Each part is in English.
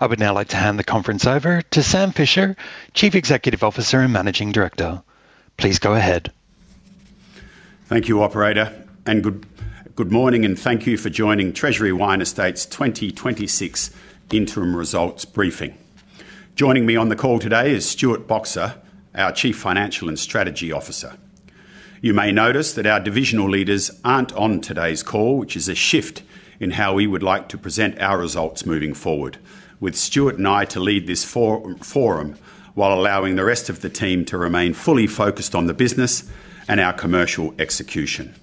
I would now like to hand the conference over to Sam Fischer, Chief Executive Officer and Managing Director. Please go ahead. Thank you, operator, and good morning, and thank you for joining Treasury Wine Estates' 2026 Interim Results Briefing. Joining me on the call today is Stuart Boxer, our Chief Financial and Strategy Officer. You may notice that our divisional leaders aren't on today's call, which is a shift in how we would like to present our results moving forward, with Stuart and I to lead this forum, while allowing the rest of the team to remain fully focused on the business and our commercial execution.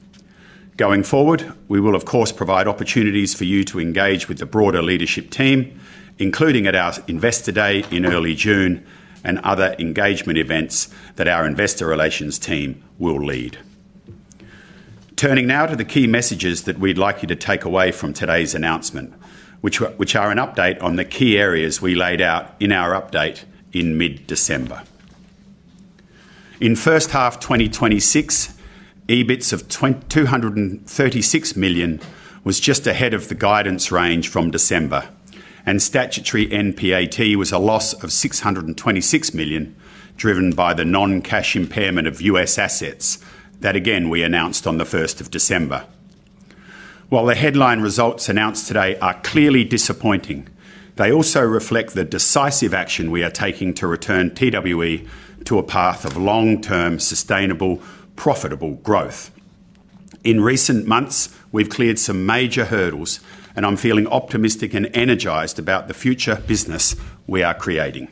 Going forward, we will, of course, provide opportunities for you to engage with the broader leadership team, including at our Investor Day in early June and other engagement events that our investor relations team will lead. Turning now to the key messages that we'd like you to take away from today's announcement, which are an update on the key areas we laid out in our update in mid-December. In first half 2026, EBITS of 236 million was just ahead of the guidance range from December, and statutory NPAT was a loss of 626 million, driven by the non-cash impairment of U.S. assets. That again, we announced on the first of December. While the headline results announced today are clearly disappointing, they also reflect the decisive action we are taking to return TWE to a path of long-term, sustainable, profitable growth. In recent months, we've cleared some major hurdles, and I'm feeling optimistic and energized about the future business we are creating.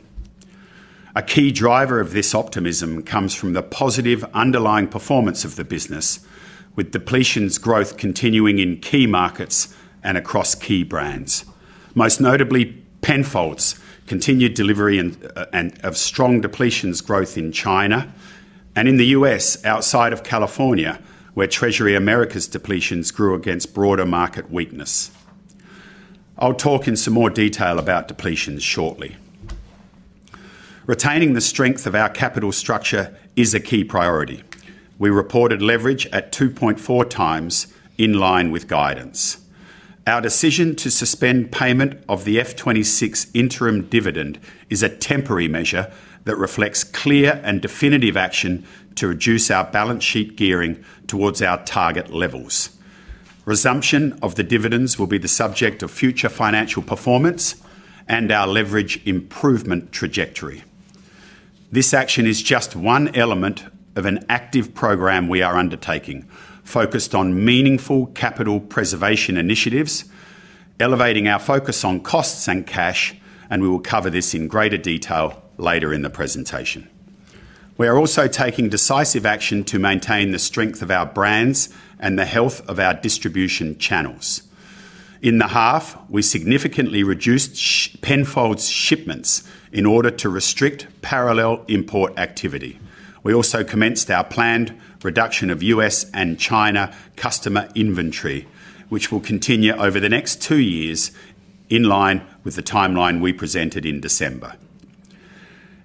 A key driver of this optimism comes from the positive underlying performance of the business, with depletions growth continuing in key markets and across key brands. Most notably, Penfolds continued delivery and, and of strong depletions growth in China and in the U.S., outside of California, where Treasury Americas' depletions grew against broader market weakness. I'll talk in some more detail about depletions shortly. Retaining the strength of our capital structure is a key priority. We reported leverage at 2.4 times in line with guidance. Our decision to suspend payment of the FY 2026 interim dividend is a temporary measure that reflects clear and definitive action to reduce our balance sheet gearing towards our target levels. Resumption of the dividends will be the subject of future financial performance and our leverage improvement trajectory. This action is just one element of an active program we are undertaking, focused on meaningful capital preservation initiatives, elevating our focus on costs and cash, and we will cover this in greater detail later in the presentation. We are also taking decisive action to maintain the strength of our brands and the health of our distribution channels. In the half, we significantly reduced Penfolds shipments in order to restrict parallel import activity. We also commenced our planned reduction of U.S. and China customer inventory, which will continue over the next two years in line with the timeline we presented in December.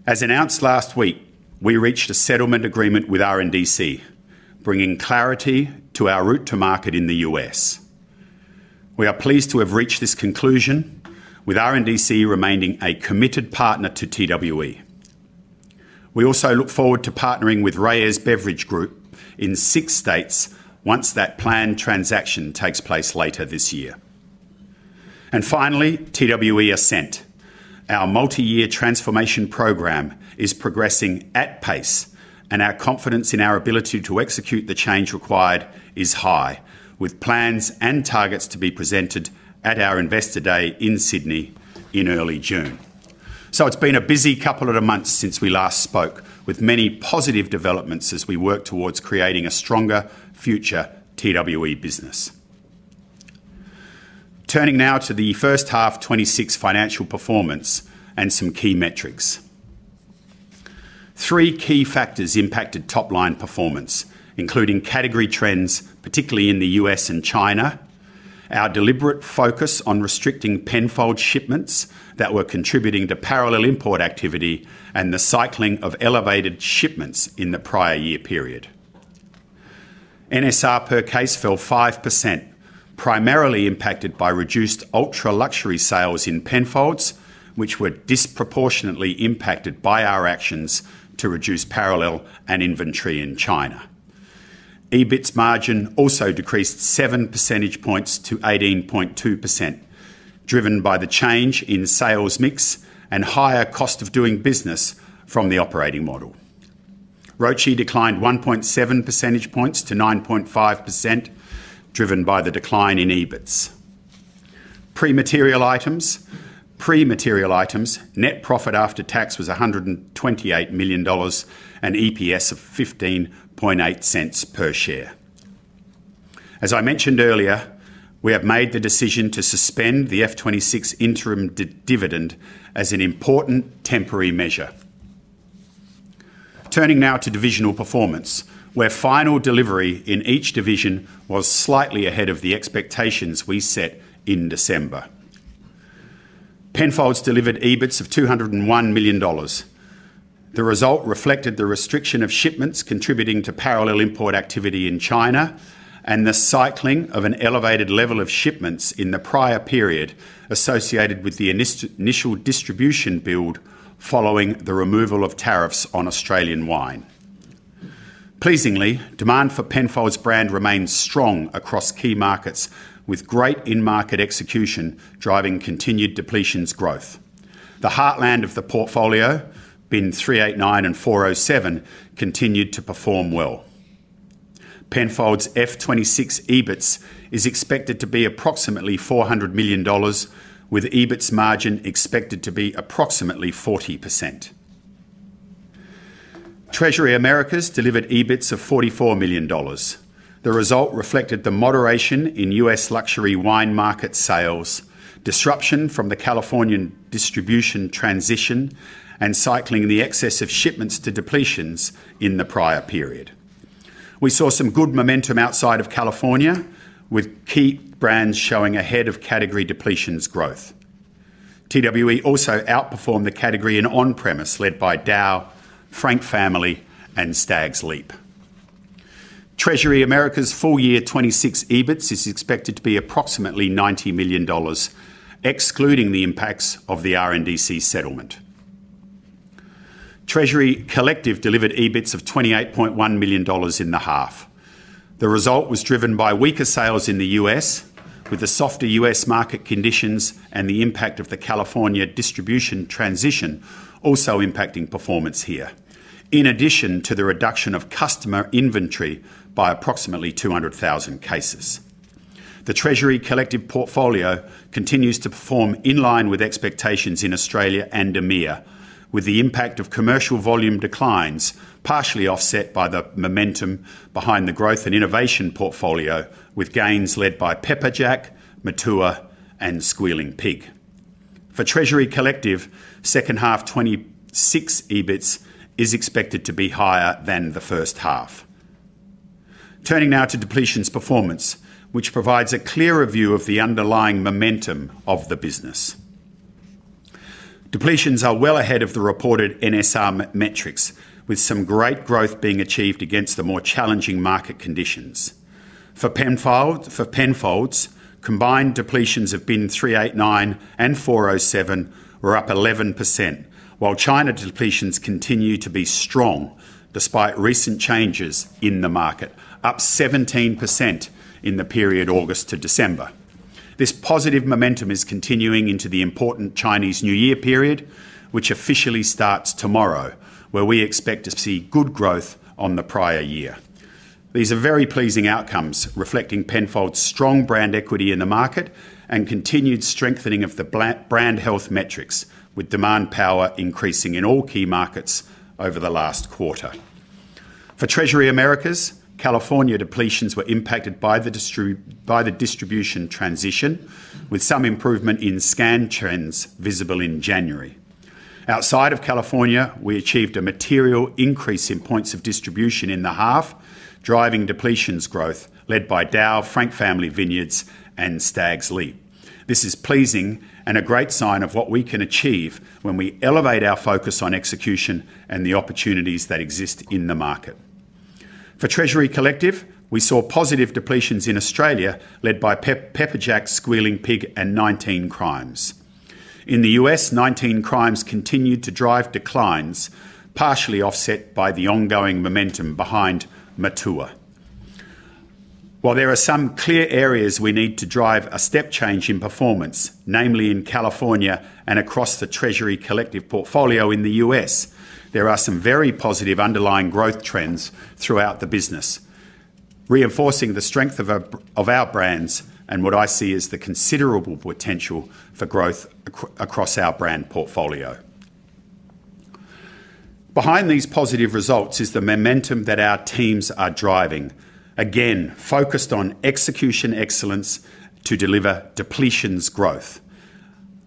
As announced last week, we reached a settlement agreement with RNDC, bringing clarity to our route to market in the U.S. We are pleased to have reached this conclusion, with RNDC remaining a committed partner to TWE. We also look forward to partnering with Reyes Beverage Group in six states once that planned transaction takes place later this year. And finally, TWE Ascent. Our multi-year transformation program is progressing at pace, and our confidence in our ability to execute the change required is high, with plans and targets to be presented at our Investor Day in Sydney in early June. So it's been a busy couple of months since we last spoke, with many positive developments as we work towards creating a stronger future TWE business. Turning now to the first half 2026 financial performance and some key metrics. Three key factors impacted top-line performance, including category trends, particularly in the US and China, our deliberate focus on restricting Penfolds shipments that were contributing to parallel import activity, and the cycling of elevated shipments in the prior year period. NSR per case fell 5%, primarily impacted by reduced ultra-luxury sales in Penfolds, which were disproportionately impacted by our actions to reduce parallel and inventory in China. EBITS margin also decreased 7 percentage points to 18.2%, driven by the change in sales mix and higher cost of doing business from the operating model. ROCE declined 1.7 percentage points to 9.5%, driven by the decline in EBITS. Pre-material items, net profit after tax was 128 million dollars, an EPS of 0.158 per share. As I mentioned earlier, we have made the decision to suspend the FY 2026 interim dividend as an important temporary measure. Turning now to divisional performance, where final delivery in each division was slightly ahead of the expectations we set in December. Penfolds delivered EBITS of 201 million dollars. The result reflected the restriction of shipments contributing to parallel import activity in China, and the cycling of an elevated level of shipments in the prior period associated with the initial distribution build following the removal of tariffs on Australian wine. Pleasingly, demand for Penfolds brand remains strong across key markets, with great in-market execution driving continued depletions growth. The heartland of the portfolio, Bin 389 and 407, continued to perform well. Penfolds FY 2026 EBITS is expected to be approximately 400 million dollars, with EBITS margin expected to be approximately 40%. Treasury Americas delivered EBITS of 44 million dollars. The result reflected the moderation in U.S. luxury wine market sales, disruption from the Californian distribution transition, and cycling the excess of shipments to depletions in the prior period. We saw some good momentum outside of California, with key brands showing ahead of category depletions growth. TWE also outperformed the category in on-premise, led by DAOU, Frank Family, and Stag's Leap. Treasury Americas' full year 26 EBITS is expected to be approximately $90 million, excluding the impacts of the RNDC settlement. Treasury Collective delivered EBITS of $28.1 million in the half. The result was driven by weaker sales in the US, with the softer US market conditions and the impact of the California distribution transition also impacting performance here, in addition to the reduction of customer inventory by approximately 200,000 cases. The Treasury Collective portfolio continues to perform in line with expectations in Australia and EMEA, with the impact of commercial volume declines, partially offset by the momentum behind the growth and innovation portfolio, with gains led by Pepperjack, Matua, and Squealing Pig. For Treasury Collective, second half 2026 EBITS is expected to be higher than the first half. Turning now to depletions performance, which provides a clearer view of the underlying momentum of the business. Depletions are well ahead of the reported NSR metrics, with some great growth being achieved against the more challenging market conditions. For Penfold, for Penfolds, combined depletions of Bin 389 and 407 were up 11%, while China depletions continue to be strong despite recent changes in the market, up 17% in the period August to December. This positive momentum is continuing into the important Chinese New Year period, which officially starts tomorrow, where we expect to see good growth on the prior year. These are very pleasing outcomes, reflecting Penfolds' strong brand equity in the market and continued strengthening of the brand health metrics, with demand power increasing in all key markets over the last quarter. For Treasury Americas, California depletions were impacted by the distribution transition, with some improvement in scan trends visible in January. Outside of California, we achieved a material increase in points of distribution in the half, driving depletions growth, led by DAOU, Frank Family Vineyards, and Stag's Leap. This is pleasing and a great sign of what we can achieve when we elevate our focus on execution and the opportunities that exist in the market. For Treasury Collective, we saw positive depletions in Australia, led by Pepper Jack, Squealing Pig, and 19 Crimes. In the US, 19 Crimes continued to drive declines, partially offset by the ongoing momentum behind Matua. While there are some clear areas we need to drive a step change in performance, namely in California and across the Treasury Collective portfolio in the U.S., there are some very positive underlying growth trends throughout the business, reinforcing the strength of our brands and what I see as the considerable potential for growth across our brand portfolio. Behind these positive results is the momentum that our teams are driving, again, focused on execution excellence to deliver depletions growth.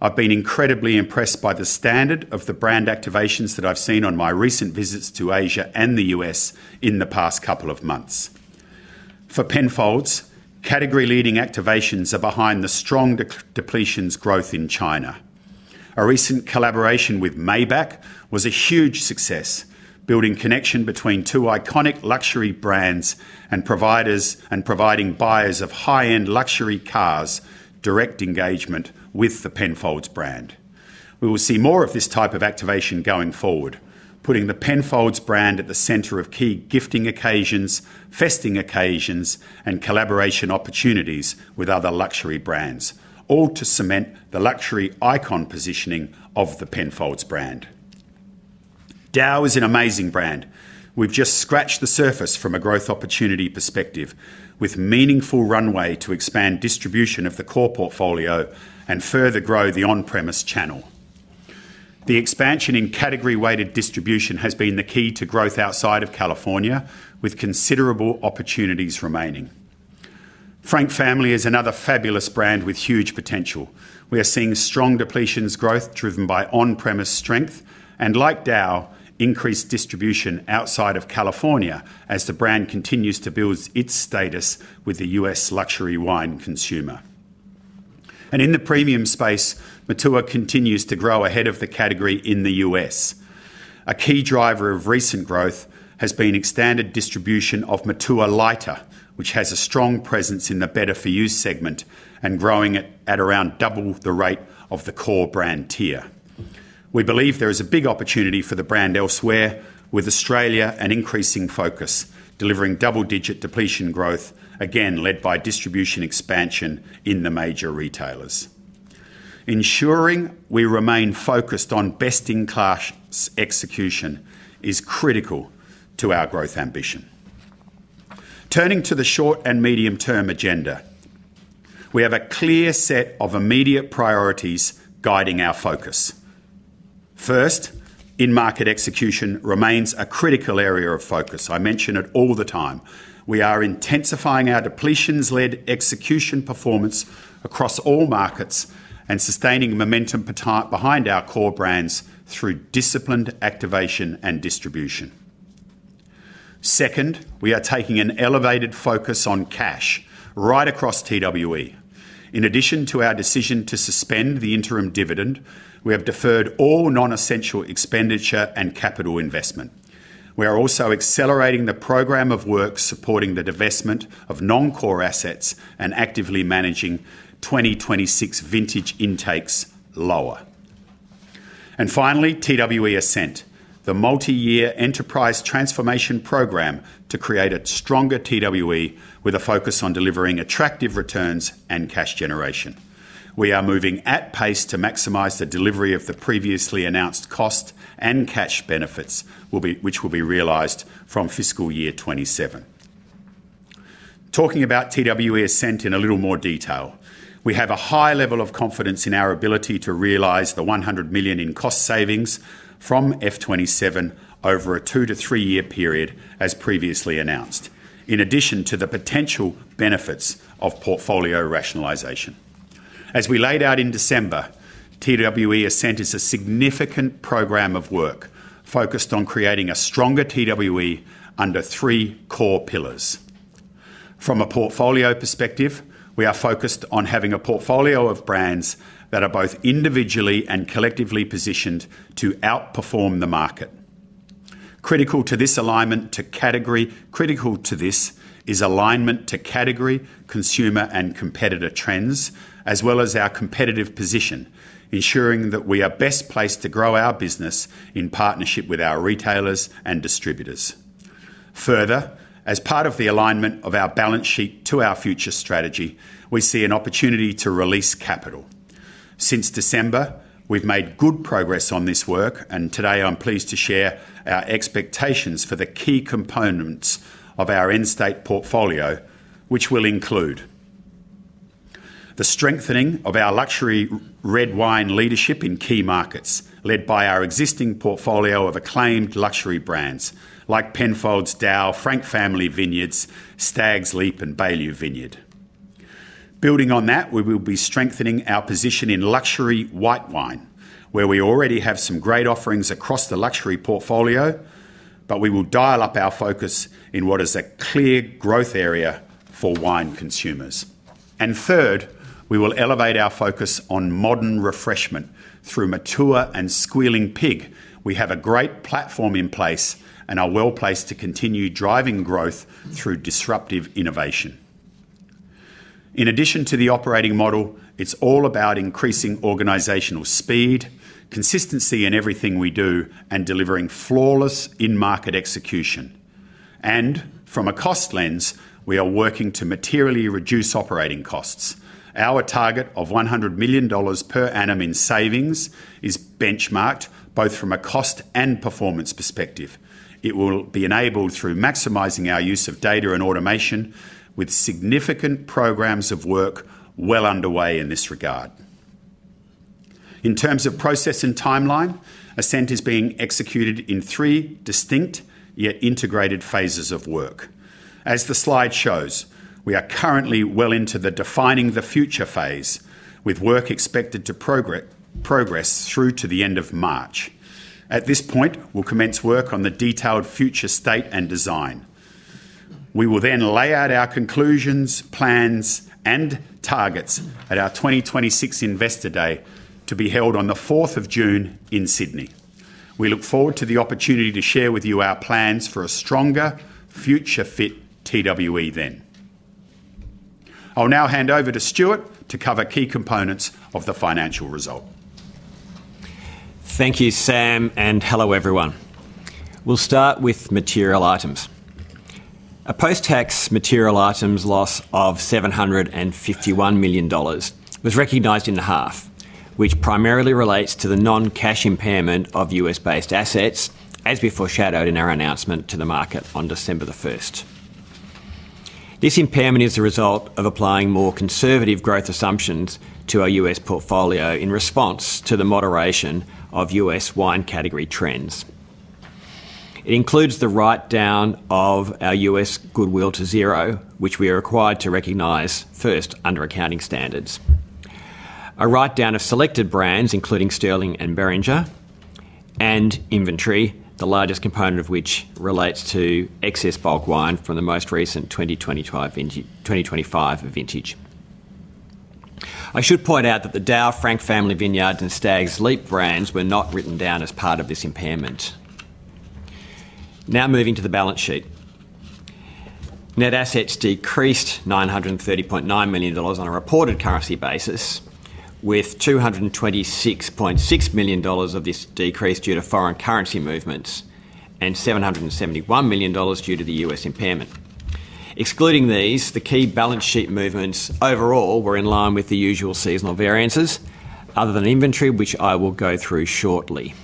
I've been incredibly impressed by the standard of the brand activations that I've seen on my recent visits to Asia and the U.S. in the past couple of months. For Penfolds, category-leading activations are behind the strong depletions growth in China. Our recent collaboration with Maybach was a huge success, building connection between two iconic luxury brands and providers, and providing buyers of high-end luxury cars, direct engagement with the Penfolds brand. We will see more of this type of activation going forward, putting the Penfolds brand at the center of key gifting occasions, festive occasions, and collaboration opportunities with other luxury brands, all to cement the luxury icon positioning of the Penfolds brand. DAOU is an amazing brand. We've just scratched the surface from a growth opportunity perspective, with meaningful runway to expand distribution of the core portfolio and further grow the on-premise channel. The expansion in category-weighted distribution has been the key to growth outside of California, with considerable opportunities remaining. Frank Family is another fabulous brand with huge potential. We are seeing strong depletions growth driven by on-premise strength, and like DAOU, increased distribution outside of California as the brand continues to build its status with the U.S. luxury wine consumer. In the premium space, Matua continues to grow ahead of the category in the U.S. A key driver of recent growth has been extended distribution of Matua Lighter, which has a strong presence in the Better For You segment and growing at around double the rate of the core brand tier. We believe there is a big opportunity for the brand elsewhere, with Australia an increasing focus, delivering double-digit depletion growth, again, led by distribution expansion in the major retailers. Ensuring we remain focused on best-in-class execution is critical to our growth ambition. Turning to the short- and medium-term agenda, we have a clear set of immediate priorities guiding our focus. First, in-market execution remains a critical area of focus. I mention it all the time. We are intensifying our depletions-led execution performance across all markets and sustaining momentum behind our core brands through disciplined activation and distribution. Second, we are taking an elevated focus on cash right across TWE. In addition to our decision to suspend the interim dividend, we have deferred all non-essential expenditure and capital investment. We are also accelerating the program of work, supporting the divestment of non-core assets and actively managing 2026 vintage intakes lower. And finally, TWE Ascent, the multi-year enterprise transformation program to create a stronger TWE with a focus on delivering attractive returns and cash generation. We are moving at pace to maximize the delivery of the previously announced cost and cash benefits, which will be realized from fiscal year 2027. Talking about TWE Ascent in a little more detail, we have a high level of confidence in our ability to realize 100 million in cost savings from FY 2027 over a two to three-year period, as previously announced, in addition to the potential benefits of portfolio rationalization. As we laid out in December, TWE Ascent is a significant program of work focused on creating a stronger TWE under three core pillars. From a portfolio perspective, we are focused on having a portfolio of brands that are both individually and collectively positioned to outperform the market. Critical to this is alignment to category, consumer, and competitor trends, as well as our competitive position, ensuring that we are best placed to grow our business in partnership with our retailers and distributors. Further, as part of the alignment of our balance sheet to our future strategy, we see an opportunity to release capital. Since December, we've made good progress on this work, and today I'm pleased to share our expectations for the key components of our end-state portfolio, which will include: the strengthening of our luxury red wine leadership in key markets, led by our existing portfolio of acclaimed luxury brands like Penfolds, DAOU, Frank Family Vineyards, Stag's Leap, and Beaulieu Vineyard. Building on that, we will be strengthening our position in luxury white wine, where we already have some great offerings across the luxury portfolio, but we will dial up our focus in what is a clear growth area for wine consumers. And third, we will elevate our focus on modern refreshment through Matua and Squealing Pig. We have a great platform in place and are well-placed to continue driving growth through disruptive innovation. In addition to the operating model, it's all about increasing organizational speed, consistency in everything we do, and delivering flawless in-market execution. From a cost lens, we are working to materially reduce operating costs. Our target of 100 million dollars per annum in savings is benchmarked both from a cost and performance perspective. It will be enabled through maximizing our use of data and automation, with significant programs of work well underway in this regard. In terms of process and timeline, Ascent is being executed in three distinct, yet integrated phases of work. As the slide shows, we are currently well into the "Defining the Future" phase, with work expected to progress through to the end of March. At this point, we'll commence work on the detailed future state and design. We will then lay out our conclusions, plans, and targets at our 2026 Investor Day, to be held on the fourth of June in Sydney. We look forward to the opportunity to share with you our plans for a stronger, future-fit TWE then. I'll now hand over to Stuart to cover key components of the financial result. Thank you, Sam, and hello, everyone. We'll start with material items. A post-tax material items loss of 751 million dollars was recognized in the half, which primarily relates to the non-cash impairment of U.S.-based assets, as we foreshadowed in our announcement to the market on December 1. This impairment is a result of applying more conservative growth assumptions to our U.S. portfolio in response to the moderation of U.S. wine category trends. It includes the write-down of our U.S. goodwill to zero, which we are required to recognize first under accounting standards. A write-down of selected brands, including Sterling and Beringer, and inventory, the largest component of which relates to excess bulk wine from the most recent 2025 vintage, 2025 vintage. I should point out that the DAOU, Frank Family Vineyards, and Stag's Leap brands were not written down as part of this impairment. Now, moving to the balance sheet. Net assets decreased 930.9 million dollars on a reported currency basis, with 226.6 million dollars of this decrease due to foreign currency movements and 771 million dollars due to the U.S. impairment. Excluding these, the key balance sheet movements overall were in line with the usual seasonal variances, other than inventory, which I will go through shortly.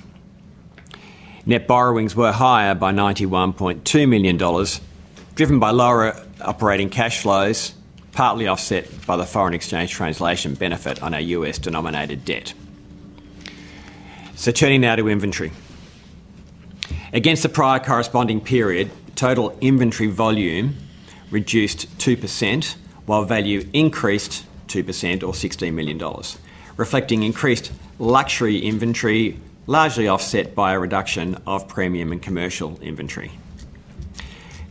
Net borrowings were higher by 91.2 million dollars, driven by lower operating cash flows, partly offset by the foreign exchange translation benefit on our U.S.-denominated debt. Turning now to inventory. Against the prior corresponding period, total inventory volume reduced 2%, while value increased 2% or 16 million dollars, reflecting increased luxury inventory, largely offset by a reduction of premium and commercial inventory.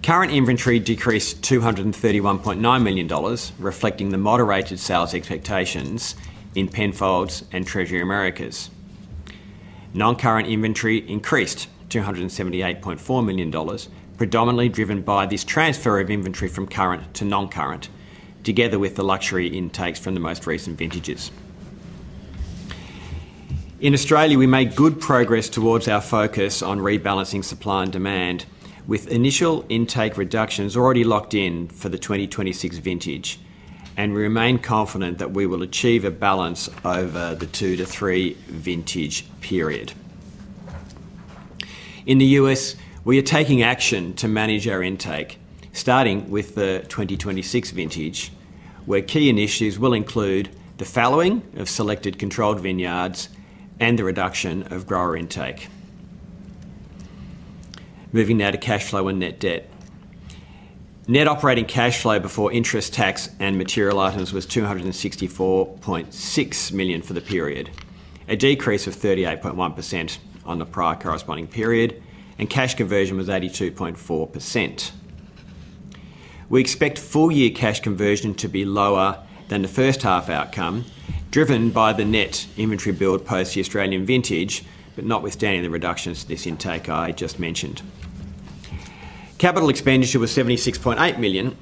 Current inventory decreased 231.9 million dollars, reflecting the moderated sales expectations in Penfolds and Treasury Americas. Non-current inventory increased to 178.4 million dollars, predominantly driven by this transfer of inventory from current to non-current, together with the luxury intakes from the most recent vintages. In Australia, we made good progress towards our focus on rebalancing supply and demand, with initial intake reductions already locked in for the 2026 vintage, and we remain confident that we will achieve a balance over the two to three vintage period. In the U.S., we are taking action to manage our intake, starting with the 2026 vintage, where key initiatives will include the fallowing of selected controlled vineyards and the reduction of grower intake. Moving now to cash flow and net debt. Net operating cash flow before interest, tax, and material items was 264.6 million for the period, a decrease of 38.1% on the prior corresponding period, and cash conversion was 82.4%. We expect full year cash conversion to be lower than the first half outcome, driven by the net inventory build post the Australian vintage, but notwithstanding the reductions to this intake I just mentioned. Capital expenditure was 76.8 million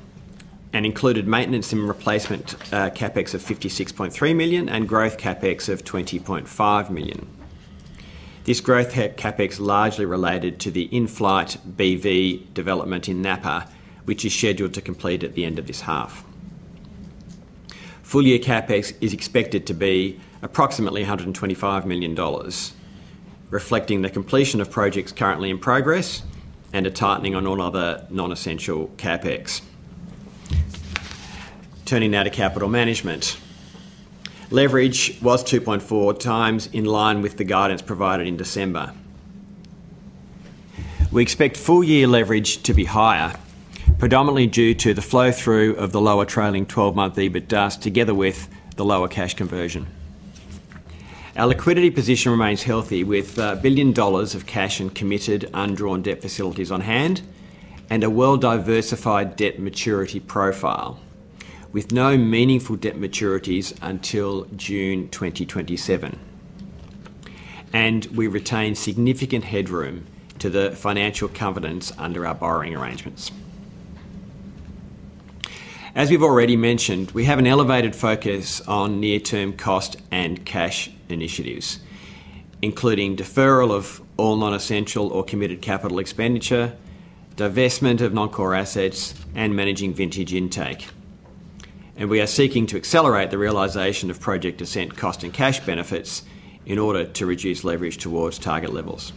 and included maintenance and replacement, CapEx of 56.3 million, and growth CapEx of 20.5 million. This growth had CapEx largely related to the in-flight BV development in Napa, which is scheduled to complete at the end of this half. Full-year CapEx is expected to be approximately 125 million dollars, reflecting the completion of projects currently in progress and a tightening on all other non-essential CapEx. Turning now to capital management. Leverage was 2.4 times in line with the guidance provided in December. We expect full year leverage to be higher, predominantly due to the flow-through of the lower trailing 12-month EBITDAS, together with the lower cash conversion. Our liquidity position remains healthy, with a billion dollars of cash and committed undrawn debt facilities on hand, and a well-diversified debt maturity profile, with no meaningful debt maturities until June 2027. We retain significant headroom to the financial covenants under our borrowing arrangements. As we've already mentioned, we have an elevated focus on near-term cost and cash initiatives, including deferral of all non-essential or committed capital expenditure, divestment of non-core assets, and managing vintage intake. We are seeking to accelerate the realization of Project Ascent cost and cash benefits in order to reduce leverage towards target levels.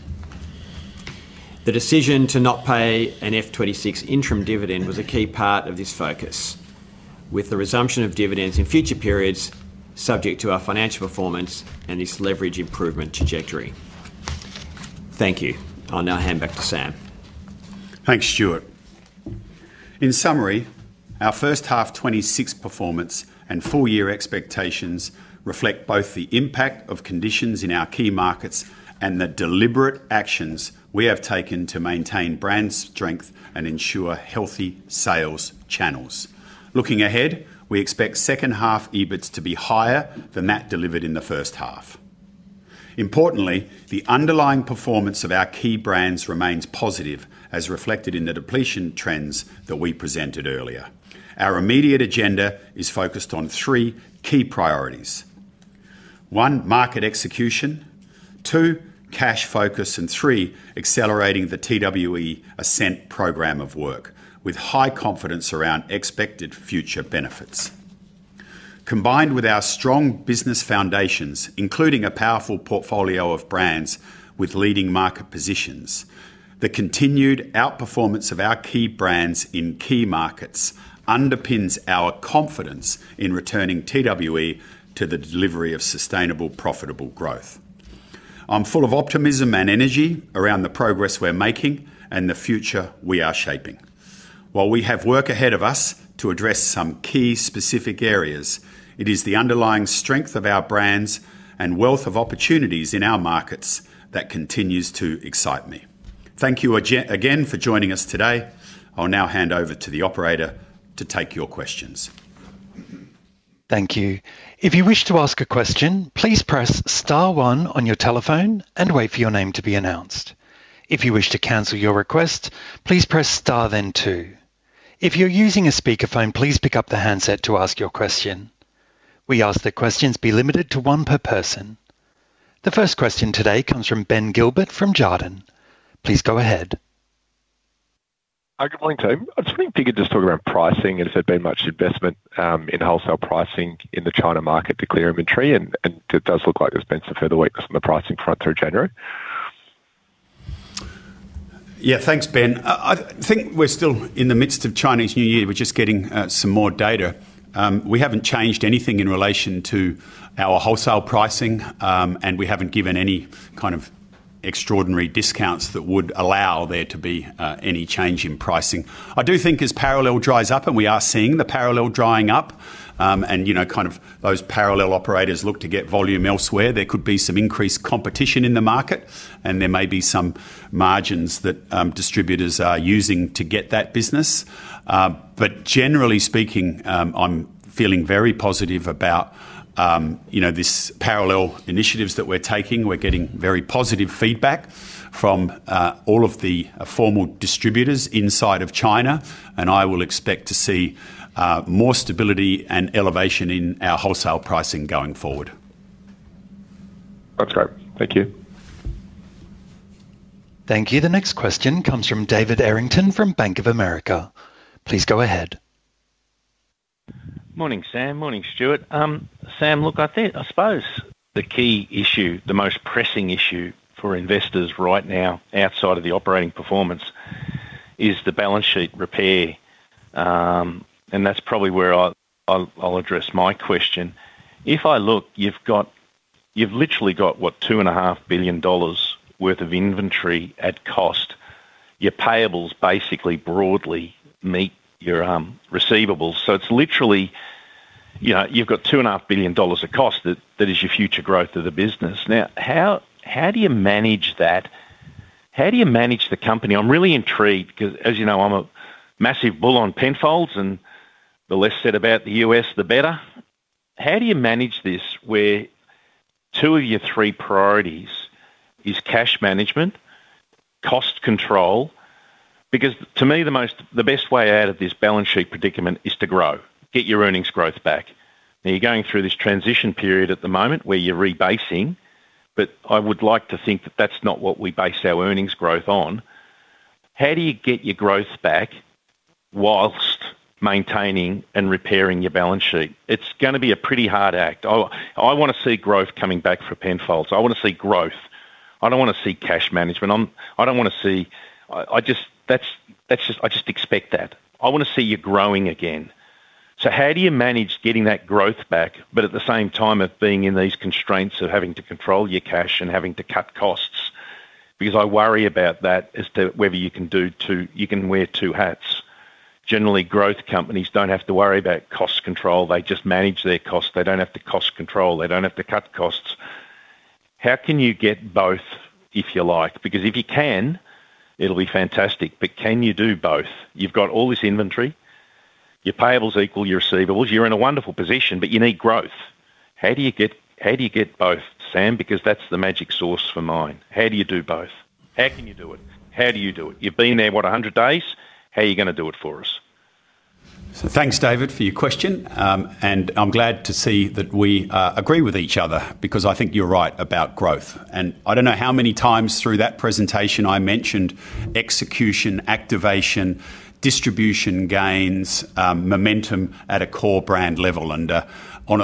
The decision to not pay an FY 2026 interim dividend was a key part of this focus, with the resumption of dividends in future periods subject to our financial performance and this leverage improvement trajectory. Thank you. I'll now hand back to Sam. Thanks, Stuart. In summary, our first half 2026 performance and full-year expectations reflect both the impact of conditions in our key markets and the deliberate actions we have taken to maintain brand strength and ensure healthy sales channels. Looking ahead, we expect second half EBITS to be higher than that delivered in the first half. Importantly, the underlying performance of our key brands remains positive, as reflected in the depletion trends that we presented earlier. Our immediate agenda is focused on three key priorities: one, market execution. two, cash focus. And three, accelerating the TWE Ascent program of work with high confidence around expected future benefits. Combined with our strong business foundations, including a powerful portfolio of brands with leading market positions, the continued outperformance of our key brands in key markets underpins our confidence in returning TWE to the delivery of sustainable, profitable growth. I'm full of optimism and energy around the progress we're making and the future we are shaping. While we have work ahead of us to address some key specific areas, it is the underlying strength of our brands and wealth of opportunities in our markets that continues to excite me.... Thank you again for joining us today. I'll now hand over to the operator to take your questions. Thank you. If you wish to ask a question, please press star one on your telephone and wait for your name to be announced. If you wish to cancel your request, please press star then two. If you're using a speakerphone, please pick up the handset to ask your question. We ask that questions be limited to one per person. The first question today comes from Ben Gilbert from Jarden. Please go ahead. Good morning, team. I was wondering if you could just talk about pricing and if there'd been much investment in wholesale pricing in the China market to clear inventory, and it does look like there's been some further weakness on the pricing front through January. Yeah, thanks, Ben. I think we're still in the midst of Chinese New Year. We're just getting some more data. We haven't changed anything in relation to our wholesale pricing, and we haven't given any kind of extraordinary discounts that would allow there to be any change in pricing. I do think as parallel dries up, and we are seeing the parallel drying up, and, you know, kind of those parallel operators look to get volume elsewhere, there could be some increased competition in the market, and there may be some margins that distributors are using to get that business. But generally speaking, I'm feeling very positive about, you know, this parallel initiatives that we're taking. We're getting very positive feedback from all of the formal distributors inside of China, and I will expect to see more stability and elevation in our wholesale pricing going forward. That's great. Thank you. Thank you. The next question comes from David Errington from Bank of America. Please go ahead. Morning, Sam. Morning, Stuart. Sam, look, I think, I suppose the key issue, the most pressing issue for investors right now outside of the operating performance is the balance sheet repair, and that's probably where I'll address my question. If I look, you've got. You've literally got, what, 2.5 billion dollars worth of inventory at cost. Your payables basically broadly meet your receivables. So it's literally, you know, you've got 2.5 billion dollars of cost that is your future growth of the business. Now, how do you manage that? How do you manage the company? I'm really intrigued because, as you know, I'm a massive bull on Penfolds, and the less said about the U.S., the better. How do you manage this, where two of your three priorities is cash management, cost control? Because to me, the most, the best way out of this balance sheet predicament is to grow, get your earnings growth back. Now, you're going through this transition period at the moment where you're rebasing, but I would like to think that that's not what we base our earnings growth on. How do you get your growth back whilst maintaining and repairing your balance sheet? It's gonna be a pretty hard act. I wanna see growth coming back for Penfolds. I wanna see growth. I don't wanna see cash management. I don't wanna see... I just expect that. I wanna see you growing again. So how do you manage getting that growth back, but at the same time, of being in these constraints of having to control your cash and having to cut costs? Because I worry about that as to whether you can do two—you can wear two hats. Generally, growth companies don't have to worry about cost control. They just manage their costs. They don't have to cost control. They don't have to cut costs. How can you get both, if you like? Because if you can, it'll be fantastic, but can you do both? You've got all this inventory. Your payables equal your receivables. You're in a wonderful position, but you need growth. How do you get, how do you get both, Sam? Because that's the magic sauce for mine. How do you do both? How can you do it? How do you do it? You've been there, what, 100 days? How are you gonna do it for us? So thanks, David, for your question, and I'm glad to see that we agree with each other because I think you're right about growth. And I don't know how many times through that presentation I mentioned execution, activation, distribution gains, momentum at a core brand level.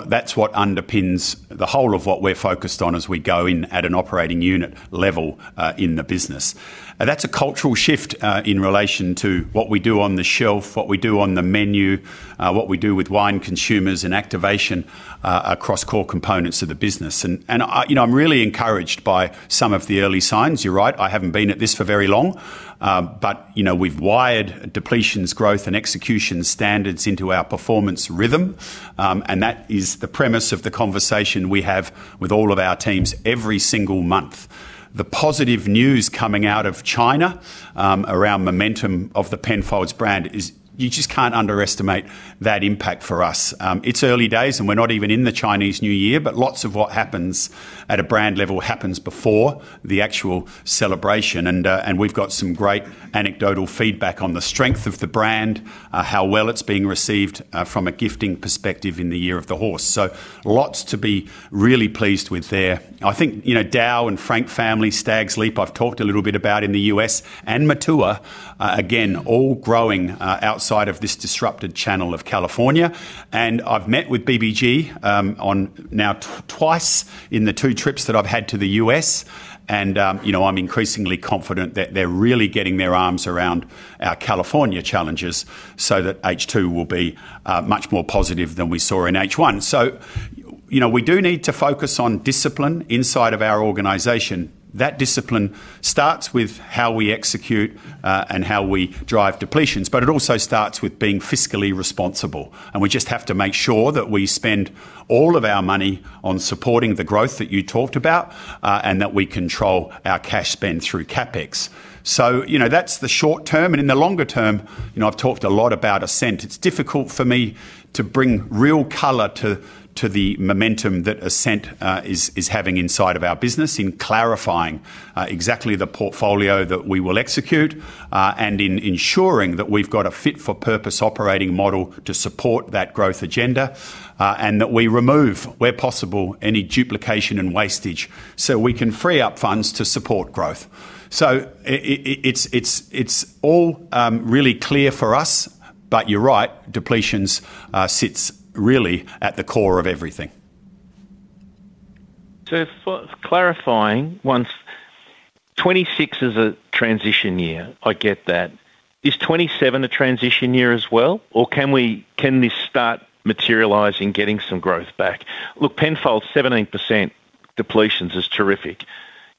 That's what underpins the whole of what we're focused on as we go in at an operating unit level in the business. And that's a cultural shift in relation to what we do on the shelf, what we do on the menu, what we do with wine consumers and activation across core components of the business. And, and I, you know, I'm really encouraged by some of the early signs. You're right, I haven't been at this for very long, but, you know, we've wired depletions, growth, and execution standards into our performance rhythm, and that is the premise of the conversation we have with all of our teams every single month. The positive news coming out of China, around momentum of the Penfolds brand is, you just can't underestimate that impact for us. It's early days, and we're not even in the Chinese New Year, but lots of what happens at a brand level happens before the actual celebration, and, and we've got some great anecdotal feedback on the strength of the brand, how well it's being received, from a gifting perspective in the Year of the Horse. So lots to be really pleased with there. I think, you know, DAOU and Frank Family, Stag's Leap, I've talked a little bit about in the U.S., and Matua, again, all growing outside of this disrupted channel of California. And I've met with BBG, on now twice in the two trips that I've had to the U.S., and, you know, I'm increasingly confident that they're really getting their arms around our California challenges so that H2 will be much more positive than we saw in H1. So, you know, we do need to focus on discipline inside of our organization. That discipline starts with how we execute and how we drive depletions, but it also starts with being fiscally responsible. We just have to make sure that we spend all of our money on supporting the growth that you talked about, and that we control our cash spend through CapEx. You know, that's the short term, and in the longer term, you know, I've talked a lot about Ascent. It's difficult for me to bring real color to the momentum that Ascent is having inside of our business in clarifying exactly the portfolio that we will execute, and in ensuring that we've got a fit for purpose operating model to support that growth agenda, and that we remove, where possible, any duplication and wastage so we can free up funds to support growth. It's all really clear for us, but you're right, depletions sits really at the core of everything. So for clarifying, 2026 is a transition year, I get that. Is 2027 a transition year as well, or can we- can this start materializing, getting some growth back? Look, Penfolds, 17% depletions is terrific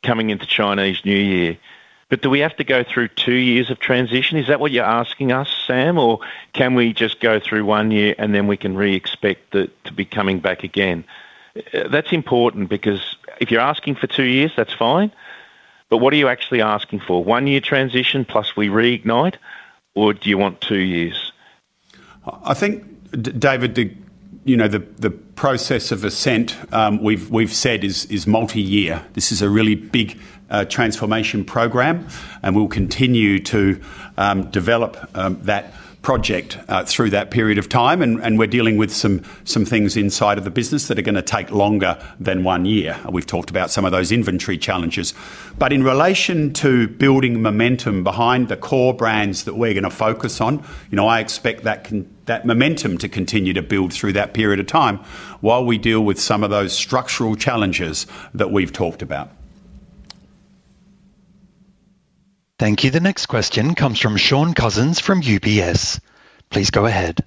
coming into Chinese New Year. But do we have to go through two years of transition? Is that what you're asking us, Sam, or can we just go through one year, and then we can re-expect it to be coming back again? That's important because if you're asking for two years, that's fine, but what are you actually asking for? One year transition, plus we reignite, or do you want two years? I think, David, you know, the process of Ascent, we've said is multi-year. This is a really big transformation program, and we'll continue to develop that project through that period of time, and we're dealing with some things inside of the business that are gonna take longer than one year. We've talked about some of those inventory challenges. But in relation to building momentum behind the core brands that we're gonna focus on, you know, I expect that momentum to continue to build through that period of time while we deal with some of those structural challenges that we've talked about. Thank you. The next question comes from Shaun Cousins from UBS. Please go ahead.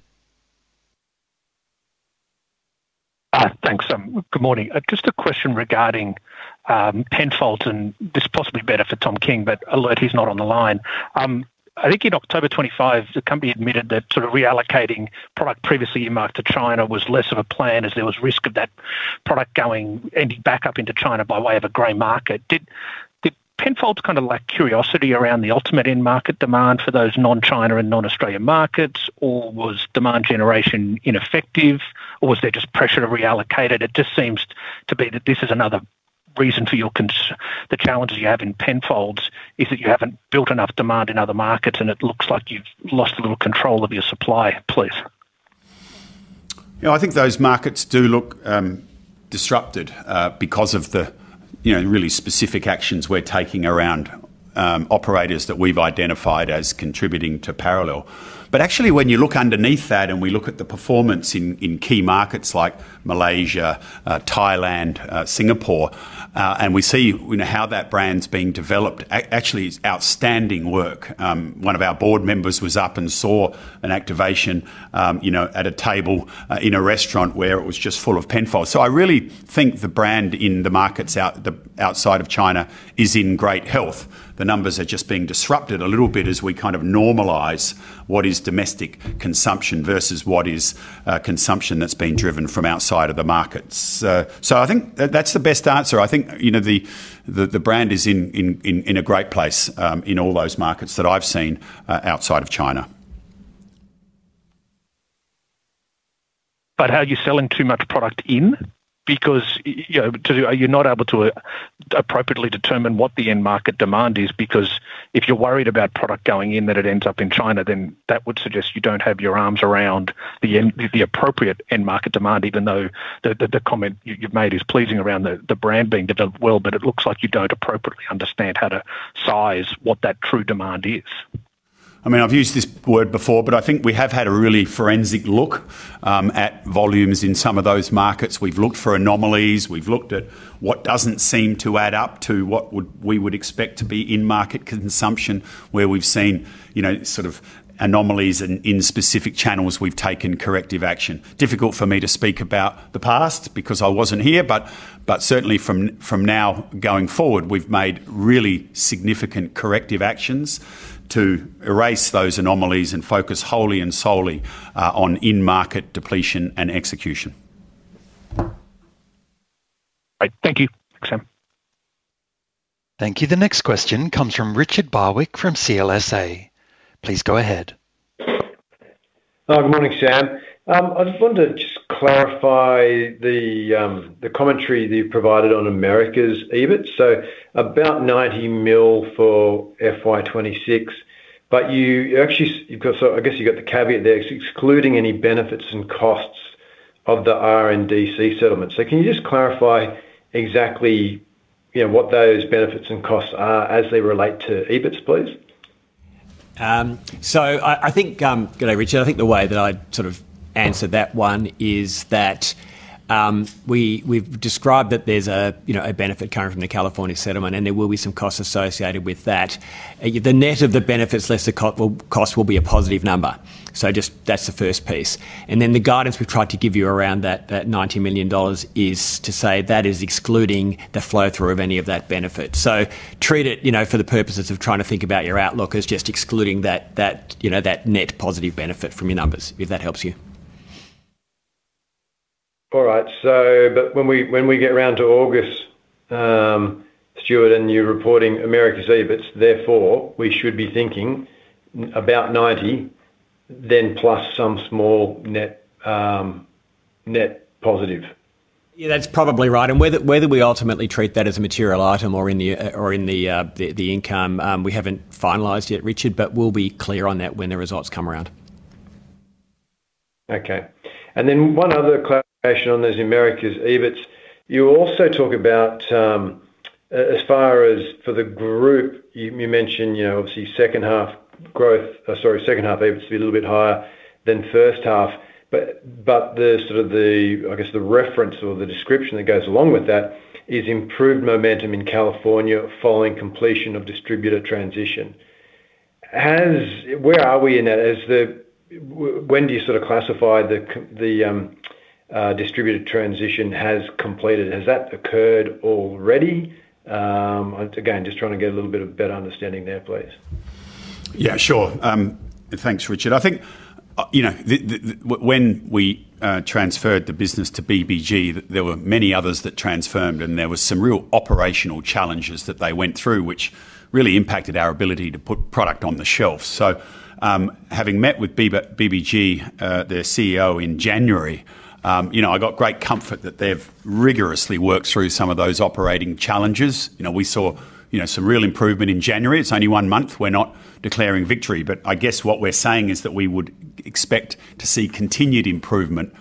Thanks, Sam. Good morning. Just a question regarding Penfolds, and this is possibly better for Tom King, but alas, he's not on the line. I think in October 2025, the company admitted that sort of reallocating product previously earmarked to China was less of a plan as there was risk of that product going, ending back up into China by way of a gray market. Did Penfolds kind of lack curiosity around the ultimate end market demand for those non-China and non-Australian markets, or was demand generation ineffective, or was there just pressure to reallocate it? It just seems to be that this is another reason for your con... the challenges you have in Penfolds, is that you haven't built enough demand in other markets, and it looks like you've lost a little control of your supply. Please. Yeah, I think those markets do look disrupted because of the, you know, really specific actions we're taking around operators that we've identified as contributing to parallel. But actually, when you look underneath that, and we look at the performance in key markets like Malaysia, Thailand, Singapore, and we see, you know, how that brand's being developed, actually, it's outstanding work. One of our board members was up and saw an activation, you know, at a table in a restaurant where it was just full of Penfolds. So I really think the brand in the markets outside of China is in great health. The numbers are just being disrupted a little bit as we kind of normalize what is domestic consumption versus what is consumption that's been driven from outside of the markets. So I think that, that's the best answer. I think, you know, the brand is in a great place, in all those markets that I've seen, outside of China. Are you selling too much product in? Because, you know, are you not able to appropriately determine what the end market demand is? Because if you're worried about product going in, that it ends up in China, then that would suggest you don't have your arms around the end, the appropriate end market demand, even though the comment you've made is pleasing around the brand being developed well, but it looks like you don't appropriately understand how to size what that true demand is. I mean, I've used this word before, but I think we have had a really forensic look at volumes in some of those markets. We've looked for anomalies. We've looked at what doesn't seem to add up to what we would expect to be in-market consumption, where we've seen, you know, sort of anomalies, and in specific channels, we've taken corrective action. Difficult for me to speak about the past because I wasn't here, but certainly from now going forward, we've made really significant corrective actions to erase those anomalies and focus wholly and solely on in-market depletion and execution. Right. Thank you. Thanks, Sam. Thank you. The next question comes from Richard Barwick, from CLSA. Please go ahead. Good morning, Sam. I just wanted to just clarify the, the commentary that you provided on Americas EBITS. So about 90 million for FY 2026, but you, you actually, you've got, so I guess you got the caveat there, excluding any benefits and costs of the RNDC settlement. So can you just clarify exactly, you know, what those benefits and costs are as they relate to EBITS, please?... So I think, good day, Richard, I think the way that I'd sort of answer that one is that we've described that there's a, you know, a benefit coming from the California settlement, and there will be some costs associated with that. The net of the benefits less the cost will be a positive number. So just that's the first piece. And then the guidance we've tried to give you around that ninety million dollars is to say that is excluding the flow-through of any of that benefit. So treat it, you know, for the purposes of trying to think about your outlook as just excluding that, you know, that net positive benefit from your numbers, if that helps you. All right. But when we get around to August, Stuart, and you're reporting Americas EBITS, therefore, we should be thinking about 90, then plus some small net positive? Yeah, that's probably right. And whether we ultimately treat that as a material item or in the income, we haven't finalized yet, Richard, but we'll be clear on that when the results come around. Okay. And then one other clarification on those Americas EBITS. You also talk about, as far as for the group, you, you mentioned, you know, obviously, second half growth, sorry, second half EBITS to be a little bit higher than first half. But, but the sort of the, I guess, the reference or the description that goes along with that is improved momentum in California following completion of distributor transition. Has. Where are we in that? Is it when do you sort of classify the distributor transition has completed? Has that occurred already? Again, just trying to get a little bit of a better understanding there, please. Yeah, sure. Thanks, Richard. I think, you know, when we transferred the business to BBG, there were many others that transformed, and there were some real operational challenges that they went through, which really impacted our ability to put product on the shelf. So, having met with BBG, their CEO in January, you know, I got great comfort that they've rigorously worked through some of those operating challenges. You know, we saw, you know, some real improvement in January. It's only one month. We're not declaring victory, but I guess what we're saying is that we would expect to see continued improvement,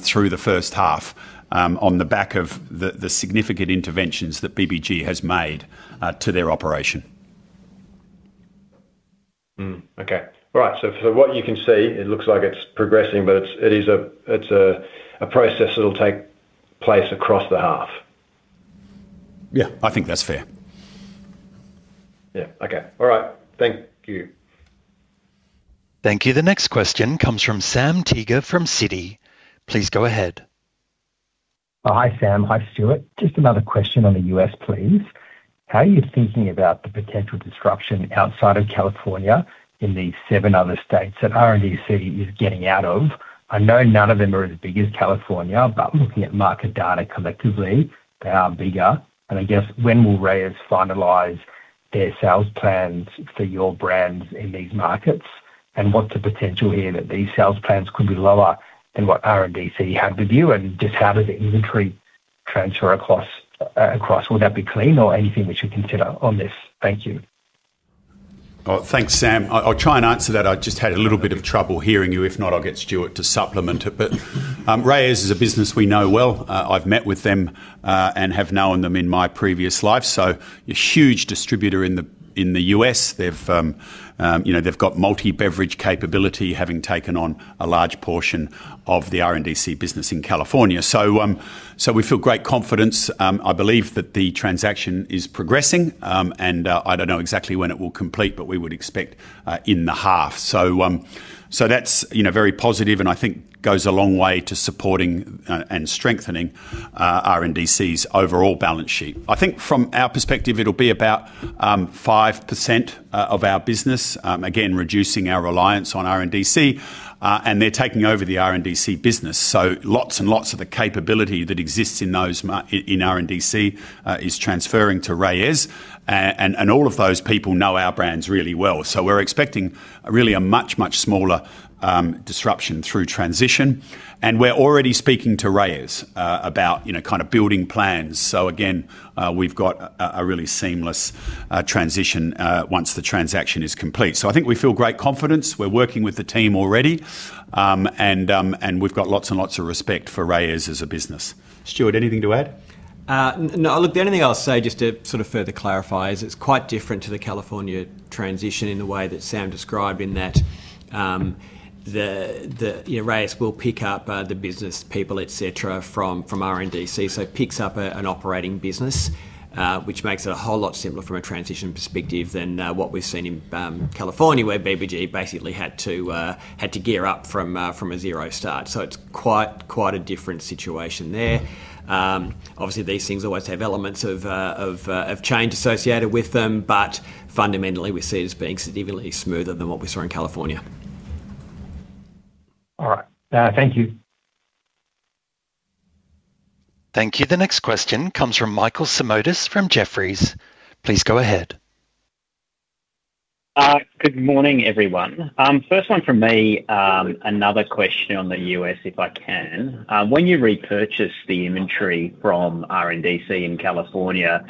through the first half, on the back of the significant interventions that BBG has made, to their operation. Okay. All right, so what you can see, it looks like it's progressing, but it's a process that will take place across the half. Yeah, I think that's fair. Yeah. Okay. All right. Thank you. Thank you. The next question comes from Sam Teeger from Citi. Please go ahead. Hi, Sam. Hi, Stuart. Just another question on the US, please. How are you thinking about the potential disruption outside of California in the seven other states that RNDC is getting out of? I know none of them are as big as California, but looking at market data collectively, they are bigger. And I guess when will Reyes finalize their sales plans for your brands in these markets? And what's the potential here that these sales plans could be lower than what RNDC had with you, and just how does the inventory transfer across? Will that be clean or anything we should consider on this? Thank you. Thanks, Sam. I'll try and answer that. I just had a little bit of trouble hearing you. If not, I'll get Stuart to supplement it. But Reyes is a business we know well. I've met with them, and have known them in my previous life, so a huge distributor in the U.S.. They've, you know, they've got multi-beverage capability, having taken on a large portion of the RNDC business in California. So we feel great confidence. I believe that the transaction is progressing, and I don't know exactly when it will complete, but we would expect in the half. So that's, you know, very positive and I think goes a long way to supporting and strengthening RNDC's overall balance sheet. I think from our perspective, it'll be about 5% of our business, again, reducing our reliance on RNDC, and they're taking over the RNDC business. So lots and lots of the capability that exists in those in RNDC is transferring to Reyes, and all of those people know our brands really well. So we're expecting a really much smaller disruption through transition, and we're already speaking to Reyes about, you know, kind of building plans. So again, we've got a really seamless transition once the transaction is complete. So I think we feel great confidence. We're working with the team already, and we've got lots and lots of respect for Reyes as a business. Stuart, anything to add? No, look, the only thing I'll say, just to sort of further clarify, is it's quite different to the California transition in the way that Sam described, in that, the Reyes will pick up the business people, et cetera, from RNDC. So picks up an operating business, which makes it a whole lot simpler from a transition perspective than what we've seen in California, where BBG basically had to gear up from a zero start. So it's quite a different situation there. Obviously, these things always have elements of change associated with them, but fundamentally, we see it as being significantly smoother than what we saw in California. All right. Thank you. Thank you. The next question comes from Michael Simotas from Jefferies. Please go ahead. Good morning, everyone. First one from me, another question on the U.S., if I can. When you repurchase the inventory from RNDC in California,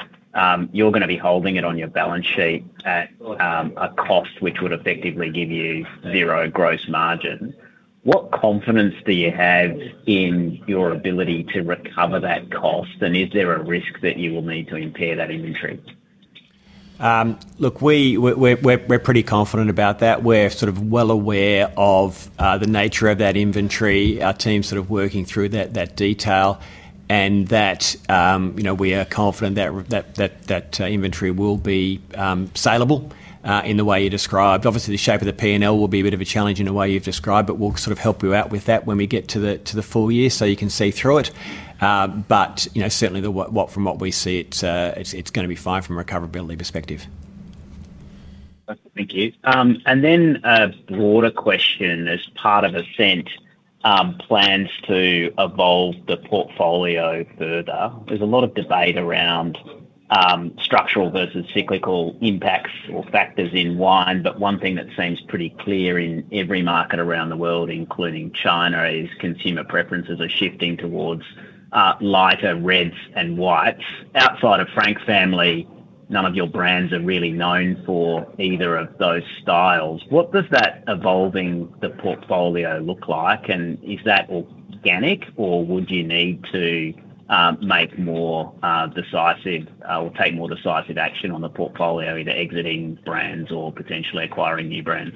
you're gonna be holding it on your balance sheet at a cost which would effectively give you zero gross margin. What confidence do you have in your ability to recover that cost? And is there a risk that you will need to impair that inventory? Look, we're pretty confident about that. We're sort of well aware of the nature of that inventory. Our team's sort of working through that detail, and you know, we are confident that inventory will be saleable in the way you described. Obviously, the shape of the P&L will be a bit of a challenge in the way you've described, but we'll sort of help you out with that when we get to the full year, so you can see through it. You know, certainly from what we see, it's gonna be fine from a recoverability perspective. Thank you. And then a broader question. As part of Ascent, plans to evolve the portfolio further, there's a lot of debate around, structural versus cyclical impacts or factors in wine, but one thing that seems pretty clear in every market around the world, including China, is consumer preferences are shifting toward, lighter reds and whites. Outside of Frank Family, none of your brands are really known for either of those styles. What does that evolving the portfolio look like? And is that organic, or would you need to, make more, decisive, or take more decisive action on the portfolio, either exiting brands or potentially acquiring new brands?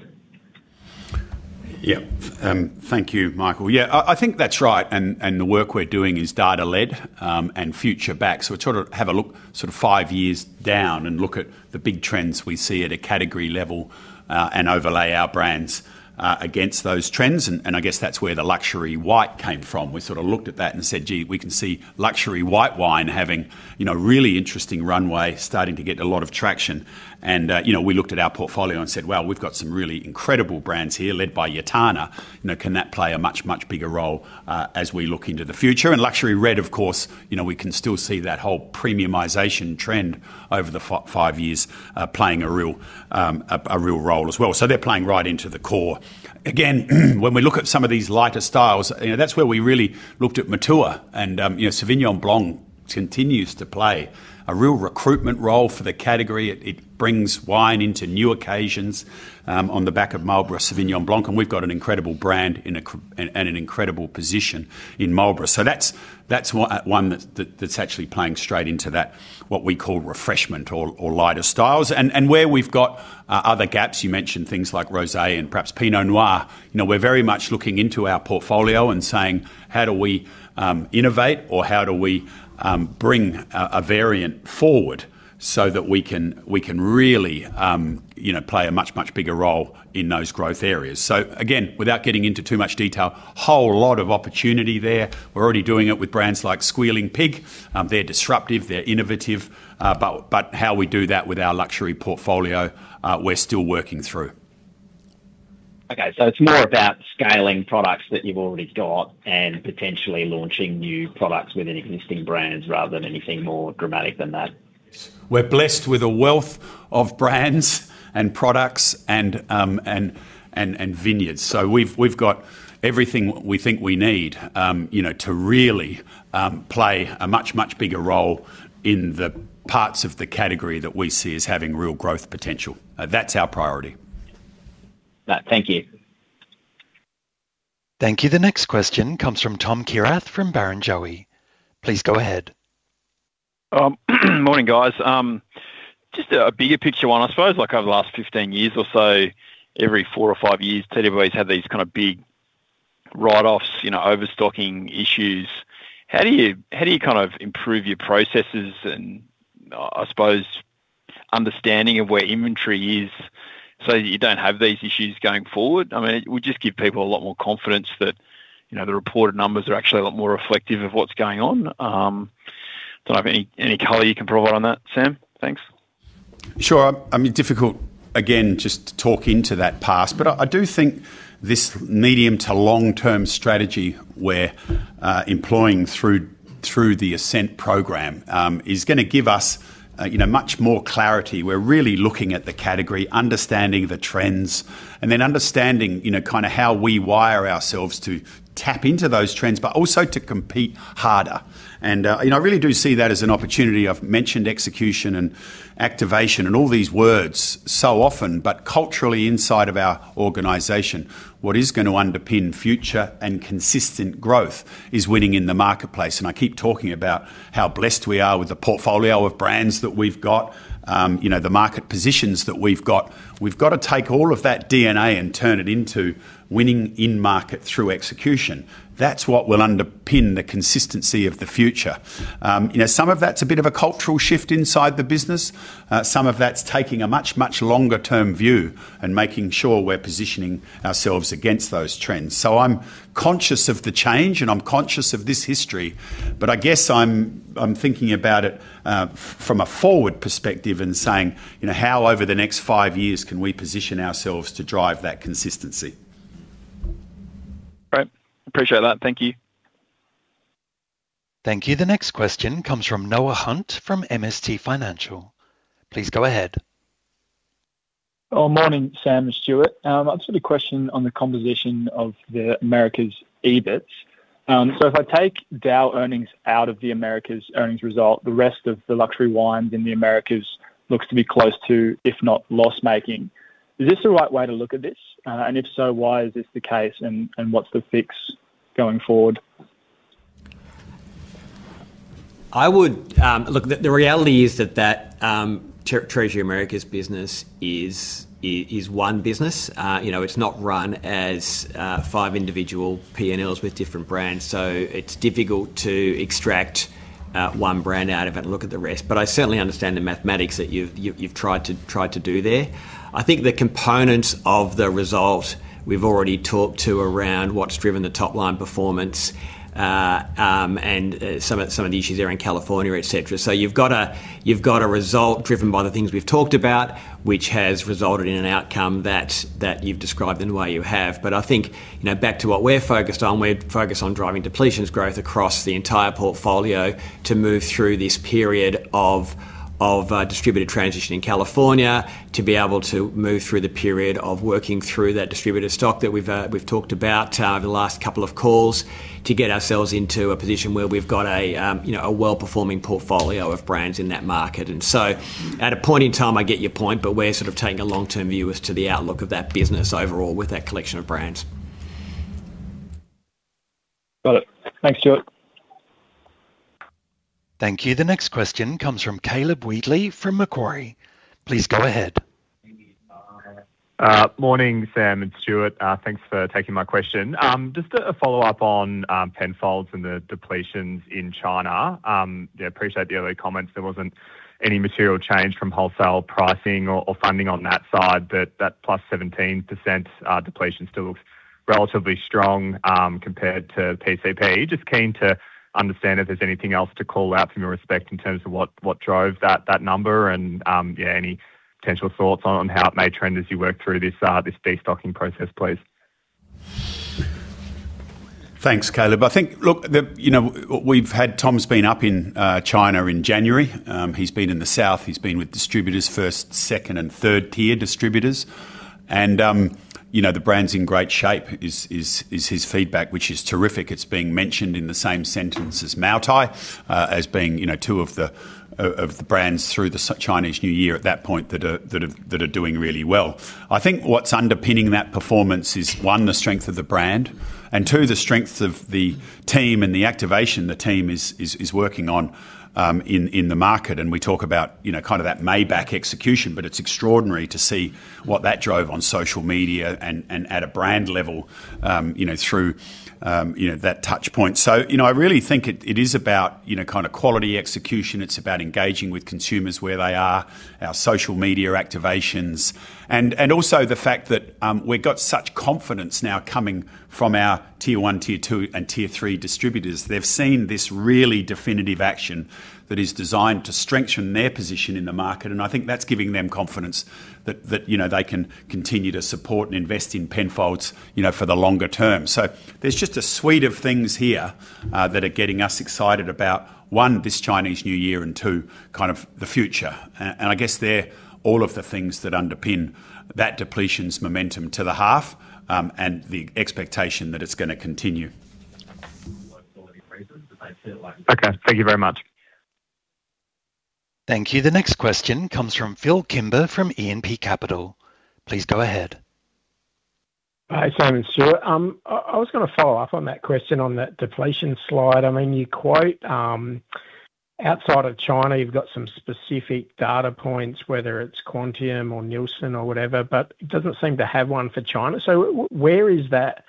Yeah. Thank you, Michael. Yeah, I think that's right, and the work we're doing is data-led and future back. So we sort of have a look sort of five years down and look at the big trends we see at a category level, and overlay our brands against those trends. And I guess that's where the luxury white came from. We sort of looked at that and said, "Gee, we can see luxury white wine having, you know, a really interesting runway, starting to get a lot of traction." And you know, we looked at our portfolio and said, "Well, we've got some really incredible brands here, led by Yattarna. You know, can that play a much, much bigger role, as we look into the future? And luxury red, of course, you know, we can still see that whole premiumization trend over the five years, playing a real, a real role as well. So they're playing right into the core. Again, when we look at some of these lighter styles, you know, that's where we really looked at Matua. And, you know, Sauvignon Blanc continues to play a real recruitment role for the category. It, it brings wine into new occasions, on the back of Marlborough Sauvignon Blanc, and we've got an incredible brand and an incredible position in Marlborough. So that's, that's one that's, that, that's actually playing straight into that, what we call refreshment or lighter styles. And where we've got other gaps, you mentioned things like rosé and perhaps Pinot Noir. You know, we're very much looking into our portfolio and saying: How do we innovate, or how do we bring a variant forward so that we can, we can really, you know, play a much, much bigger role in those growth areas? So again, without getting into too much detail, whole lot of opportunity there. We're already doing it with brands like Squealing Pig. They're disruptive, they're innovative, but, but how we do that with our luxury portfolio, we're still working through. Okay, so it's more about scaling products that you've already got and potentially launching new products within existing brands, rather than anything more dramatic than that? We're blessed with a wealth of brands and products and vineyards. So we've got everything we think we need, you know, to really play a much, much bigger role in the parts of the category that we see as having real growth potential. That's our priority. Right. Thank you. Thank you. The next question comes from Tom Kierath, from Barrenjoey. Please go ahead. Morning, guys. Just a bigger picture one. I suppose, like over the last 15 years or so, every four or five years, TWE's had these kind of big write-offs, you know, overstocking issues. How do you, how do you kind of improve your processes and, I suppose, understanding of where inventory is, so that you don't have these issues going forward? I mean, it would just give people a lot more confidence that, you know, the reported numbers are actually a lot more reflective of what's going on. Do you have any color you can provide on that, Sam? Thanks. Sure. I mean, difficult, again, just to talk into that past, but I, I do think this medium to long-term strategy we're employing through, through the Ascent program is gonna give us, you know, much more clarity. We're really looking at the category, understanding the trends, and then understanding, you know, kind of how we wire ourselves to tap into those trends, but also to compete harder. And, you know, I really do see that as an opportunity. I've mentioned execution and activation and all these words so often, but culturally inside of our organization, what is going to underpin future and consistent growth is winning in the marketplace. And I keep talking about how blessed we are with the portfolio of brands that we've got, you know, the market positions that we've got. We've got to take all of that DNA and turn it into winning in market through execution. That's what will underpin the consistency of the future. You know, some of that's a bit of a cultural shift inside the business. Some of that's taking a much, much longer-term view and making sure we're positioning ourselves against those trends. So I'm conscious of the change, and I'm conscious of this history, but I guess I'm, I'm thinking about it from a forward perspective and saying, you know: How, over the next five years, can we position ourselves to drive that consistency? Great. Appreciate that. Thank you. Thank you. The next question comes from Noah Hunt, from MST Financial. Please go ahead. Morning, Sam and Stuart. I just had a question on the composition of the Americas' EBITs.... so if I take DAOU earnings out of the Americas earnings result, the rest of the luxury wines in the Americas looks to be close to, if not loss-making. Is this the right way to look at this? And if so, why is this the case, and what's the fix going forward? I would, the reality is that that, Treasury Americas business is one business. You know, it's not run as five individual PNLs with different brands, so it's difficult to extract one brand out of it and look at the rest. But I certainly understand the mathematics that you've tried to do there. I think the components of the result, we've already talked to around what's driven the top-line performance, and some of the issues there in California, et cetera. So you've got a result driven by the things we've talked about, which has resulted in an outcome that you've described in the way you have. But I think, you know, back to what we're focused on, we're focused on driving depletions growth across the entire portfolio to move through this period of distributed transition in California. To be able to move through the period of working through that distributor stock that we've talked about, the last couple of calls, to get ourselves into a position where we've got a, you know, a well-performing portfolio of brands in that market. And so at a point in time, I get your point, but we're sort of taking a long-term view as to the outlook of that business overall with that collection of brands. Got it. Thanks, Stuart. Thank you. The next question comes from Caleb Wheatley, from Macquarie. Please go ahead. Morning, Sam and Stuart. Thanks for taking my question. Just a follow-up on Penfolds and the depletions in China. Yeah, appreciate the other comments. There wasn't any material change from wholesale pricing or funding on that side, but that +17% depletion still looks relatively strong compared to PCP. Just keen to understand if there's anything else to call out from your perspective in terms of what drove that number, and yeah, any potential thoughts on how it may trend as you work through this destocking process, please. Thanks, Caleb. I think, look, the, you know, we've had-- Tom's been up in China in January. He's been in the south, he's been with distributors: first, second, and third-tier distributors. And, you know, the brand's in great shape, is his feedback, which is terrific. It's being mentioned in the same sentence as Moutai, as being, you know, two of the, of the brands through the Chinese New Year at that point that are doing really well. I think what's underpinning that performance is, one, the strength of the brand, and two, the strength of the team and the activation the team is working on, in the market. We talk about, you know, kind of that Maybach execution, but it's extraordinary to see what that drove on social media and at a brand level, you know, through that touch point. So, you know, I really think it is about, you know, kind of quality execution. It's about engaging with consumers where they are, our social media activations, and also the fact that we've got such confidence now coming from our tier one, tier two, and tier three distributors. They've seen this really definitive action that is designed to strengthen their position in the market, and I think that's giving them confidence that you know, they can continue to support and invest in Penfolds, you know, for the longer term. There's just a suite of things here that are getting us excited about, one, this Chinese New Year, and two, kind of the future. And I guess they're all of the things that underpin that depletions momentum to the half, and the expectation that it's gonna continue.... Okay. Thank you very much. Thank you. The next question comes from Phil Kimber, from E&P Capital. Please go ahead. Hi, Sam and Stuart. I was gonna follow up on that question on that depletion slide. I mean, you quote, outside of China, you've got some specific data points, whether it's Quantium or Nielsen or whatever, but it doesn't seem to have one for China. So where is that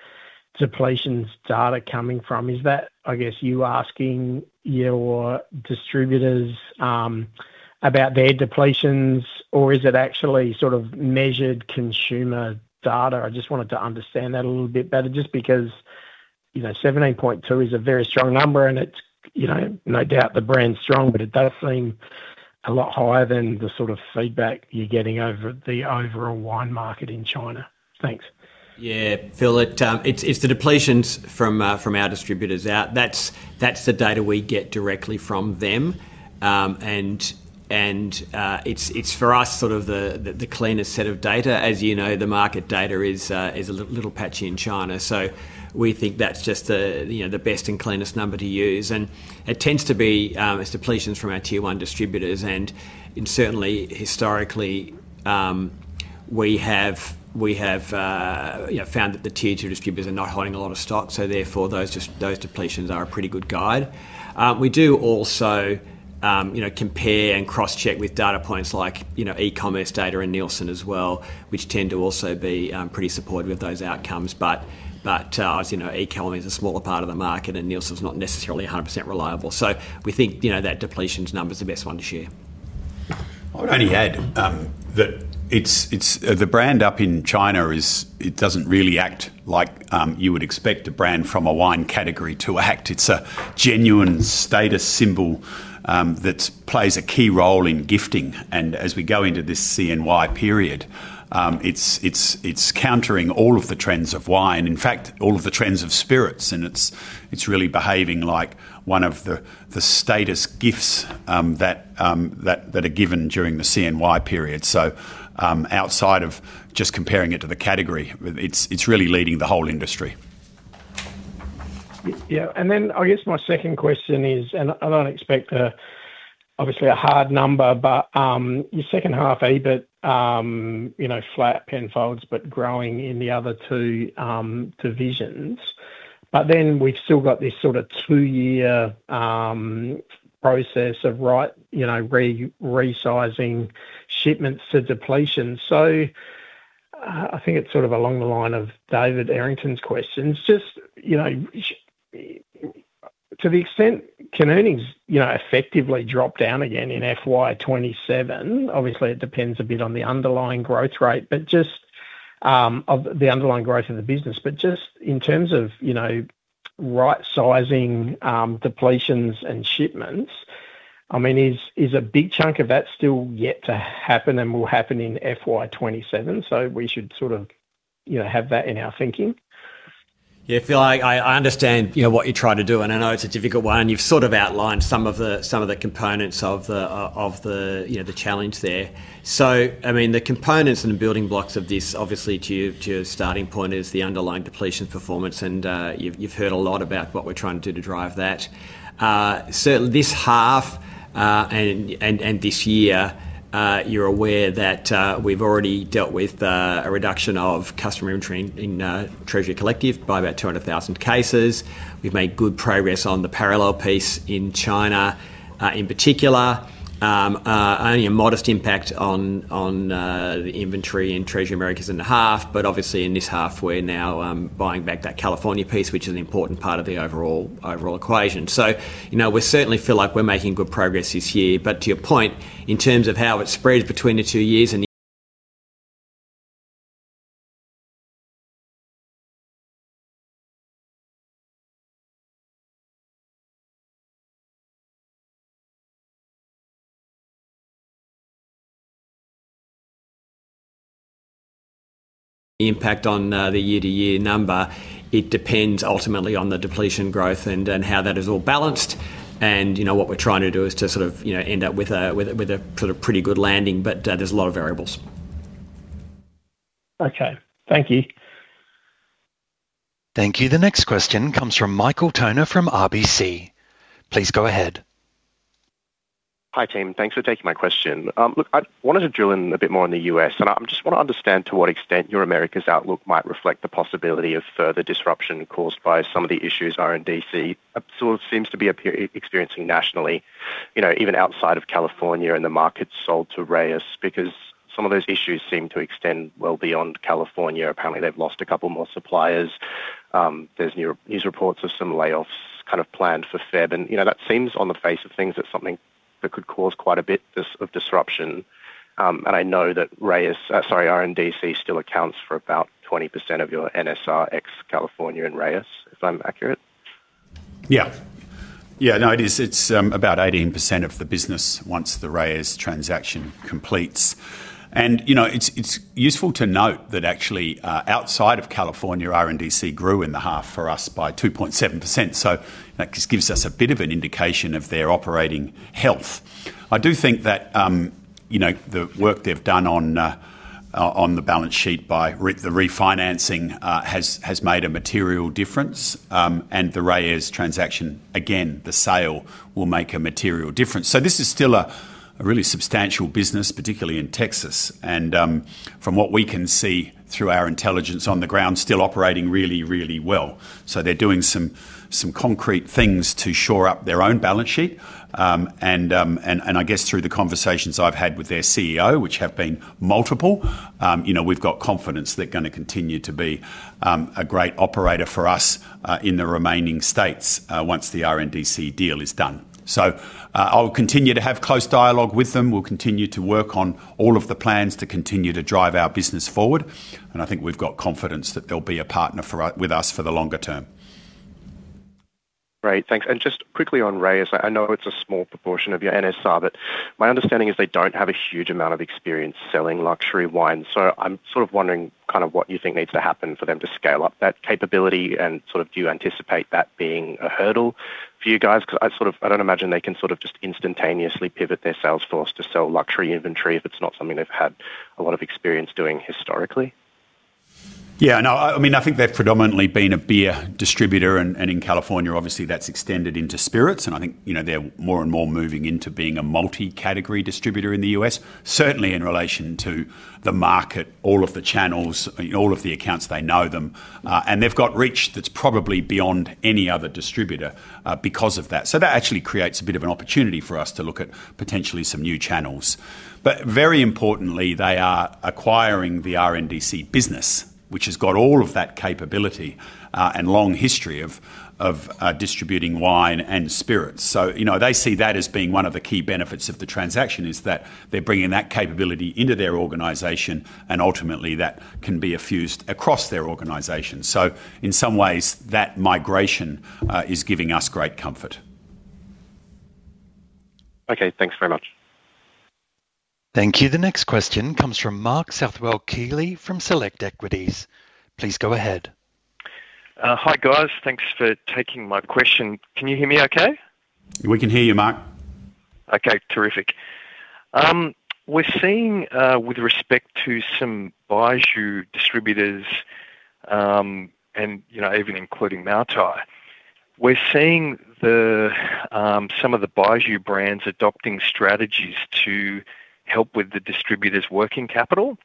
depletions data coming from? Is that, I guess, you asking your distributors, about their depletions, or is it actually sort of measured consumer data? I just wanted to understand that a little bit better, just because, you know, 17.2 is a very strong number, and it's, you know, no doubt the brand's strong, but it does seem a lot higher than the sort of feedback you're getting over the overall wine market in China. Thanks. Yeah, Phil, it, it's the depletions from our distributors out. That's the data we get directly from them. And it's for us sort of the cleanest set of data. As you know, the market data is a little patchy in China, so we think that's just the, you know, the best and cleanest number to use. And it tends to be it's depletions from our tier one distributors, and certainly, historically, we have you know found that the tier two distributors are not holding a lot of stock, so therefore, those depletions are a pretty good guide. We do also, you know, compare and cross-check with data points like, you know, e-commerce data and Nielsen as well, which tend to also be pretty supportive of those outcomes. But, but, as you know, e-commerce is a smaller part of the market, and Nielsen's not necessarily 100% reliable. So we think, you know, that depletions number is the best one to share. I'd only add that it's the brand up in China is, it doesn't really act like you would expect a brand from a wine category to act. It's a genuine status symbol that plays a key role in gifting. And as we go into this CNY period, it's countering all of the trends of wine, in fact, all of the trends of spirits, and it's really behaving like one of the status gifts that are given during the CNY period. So, outside of just comparing it to the category, it's really leading the whole industry.... Yeah, and then I guess my second question is, and I, I don't expect a, obviously, a hard number, but, your second half EBIT, you know, flat Penfolds, but growing in the other two divisions. But then we've still got this sort of two-year process of right, you know, re-resizing shipments to depletion. So, I think it's sort of along the line of David Errington's questions. Just, you know, to the extent, can earnings, you know, effectively drop down again in FY 2027? Obviously, it depends a bit on the underlying growth rate, but just, of the underlying growth of the business. But just in terms of, you know, right-sizing, depletions and shipments, I mean, is a big chunk of that still yet to happen and will happen in FY 2027, so we should sort of, you know, have that in our thinking? Yeah, Phil, I understand, you know, what you're trying to do, and I know it's a difficult one. You've sort of outlined some of the, some of the components of the, of the, you know, the challenge there. So, I mean, the components and the building blocks of this, obviously, to your starting point is the underlying depletion performance, and you've heard a lot about what we're trying to do to drive that. Certainly, this half and this year, you're aware that we've already dealt with a reduction of customer inventory in Treasury Collective by about 200,000 cases. We've made good progress on the parallel piece in China, in particular. Only a modest impact on, on, the inventory in Treasury Americas in the half, but obviously in this half, we're now buying back that California piece, which is an important part of the overall, overall equation. So, you know, we certainly feel like we're making good progress this year. But to your point, in terms of how it spreads between the two years and the impact on the year-to-year number, it depends ultimately on the depletions growth and, and how that is all balanced. And, you know, what we're trying to do is to sort of, you know, end up with a, with a, with a sort of pretty good landing, but there's a lot of variables. Okay. Thank you. Thank you. The next question comes from Michael Toner from RBC. Please go ahead. Hi, team. Thanks for taking my question. Look, I wanted to drill in a bit more on the U.S., and I just want to understand to what extent your Americas outlook might reflect the possibility of further disruption caused by some of the issues RNDC sort of seems to be experiencing nationally, you know, even outside of California, and the market sold to Reyes, because some of those issues seem to extend well beyond California. Apparently, they've lost a couple more suppliers. There's news reports of some layoffs kind of planned for February. You know, that seems on the face of things, that's something that could cause quite a bit of disruption. I know that RNDC still accounts for about 20% of your NSR ex California and Reyes, if I'm accurate. Yeah. Yeah, no, it is. It's about 18% of the business once the Reyes transaction completes. And, you know, it's useful to note that actually, outside of California, RNDC grew in the half for us by 2.7%, so that just gives us a bit of an indication of their operating health. I do think that, you know, the work they've done on the balance sheet by the refinancing has made a material difference, and the Reyes transaction, again, the sale will make a material difference. So this is still a really substantial business, particularly in Texas, and from what we can see through our intelligence on the ground, still operating really, really well. So they're doing some concrete things to shore up their own balance sheet. And I guess through the conversations I've had with their CEO, which have been multiple, you know, we've got confidence they're gonna continue to be a great operator for us in the remaining states once the RNDC deal is done. So, I'll continue to have close dialogue with them. We'll continue to work on all of the plans to continue to drive our business forward, and I think we've got confidence that they'll be a partner for us, with us for the longer term. Great, thanks. And just quickly on Reyes, I know it's a small proportion of your NSR, but my understanding is they don't have a huge amount of experience selling luxury wine. So I'm sort of wondering kind of what you think needs to happen for them to scale up that capability, and sort of do you anticipate that being a hurdle for you guys? 'Cause I sort of... I don't imagine they can sort of just instantaneously pivot their sales force to sell luxury inventory if it's not something they've had a lot of experience doing historically. Yeah, no, I mean, I think they've predominantly been a beer distributor, and in California, obviously, that's extended into spirits, and I think, you know, they're more and more moving into being a multi-category distributor in the U.S. Certainly, in relation to the market, all of the channels, all of the accounts, they know them, and they've got reach that's probably beyond any other distributor, because of that. So that actually creates a bit of an opportunity for us to look at potentially some new channels. But very importantly, they are acquiring the RNDC business, which has got all of that capability, and long history of distributing wine and spirits. So, you know, they see that as being one of the key benefits of the transaction, is that they're bringing that capability into their organization, and ultimately, that can be effused across their organization. So in some ways, that migration is giving us great comfort. Okay, thanks very much. Thank you. The next question comes from Mark Southwell-Keely from Select Equities. Please go ahead. Hi, guys. Thanks for taking my question. Can you hear me okay? We can hear you, Mark.... Okay, terrific. We're seeing with respect to some baijiu distributors, and, you know, even including Moutai. We're seeing some of the baijiu brands adopting strategies to help with the distributors' working capital.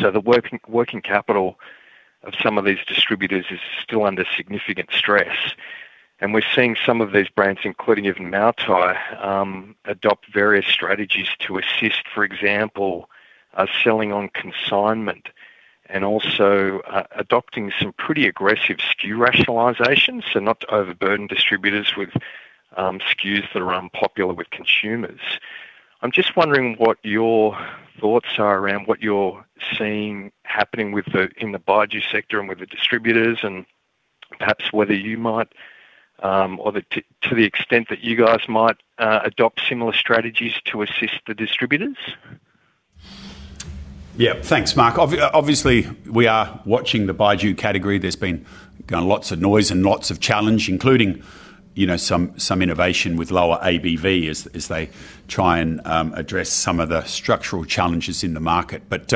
So the working capital of some of these distributors is still under significant stress, and we're seeing some of these brands, including even Moutai, adopt various strategies to assist, for example, selling on consignment and also adopting some pretty aggressive SKU rationalizations, so not to overburden distributors with SKUs that are unpopular with consumers. I'm just wondering what your thoughts are around what you're seeing happening in the baijiu sector and with the distributors, and perhaps whether you might or to the extent that you guys might adopt similar strategies to assist the distributors? Yeah. Thanks, Mark. Obviously, we are watching the baijiu category. There's been gone lots of noise and lots of challenge, including, you know, some innovation with lower ABV as they try and address some of the structural challenges in the market. But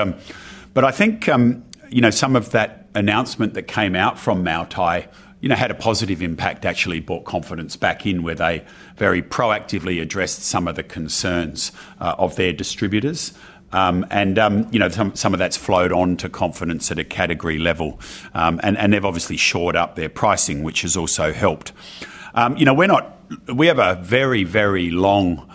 but I think, you know, some of that announcement that came out from Moutai, you know, had a positive impact, actually brought confidence back in, where they very proactively addressed some of the concerns of their distributors. And, you know, some of that's flowed on to confidence at a category level. And they've obviously shored up their pricing, which has also helped. You know, we're not— We have a very, very long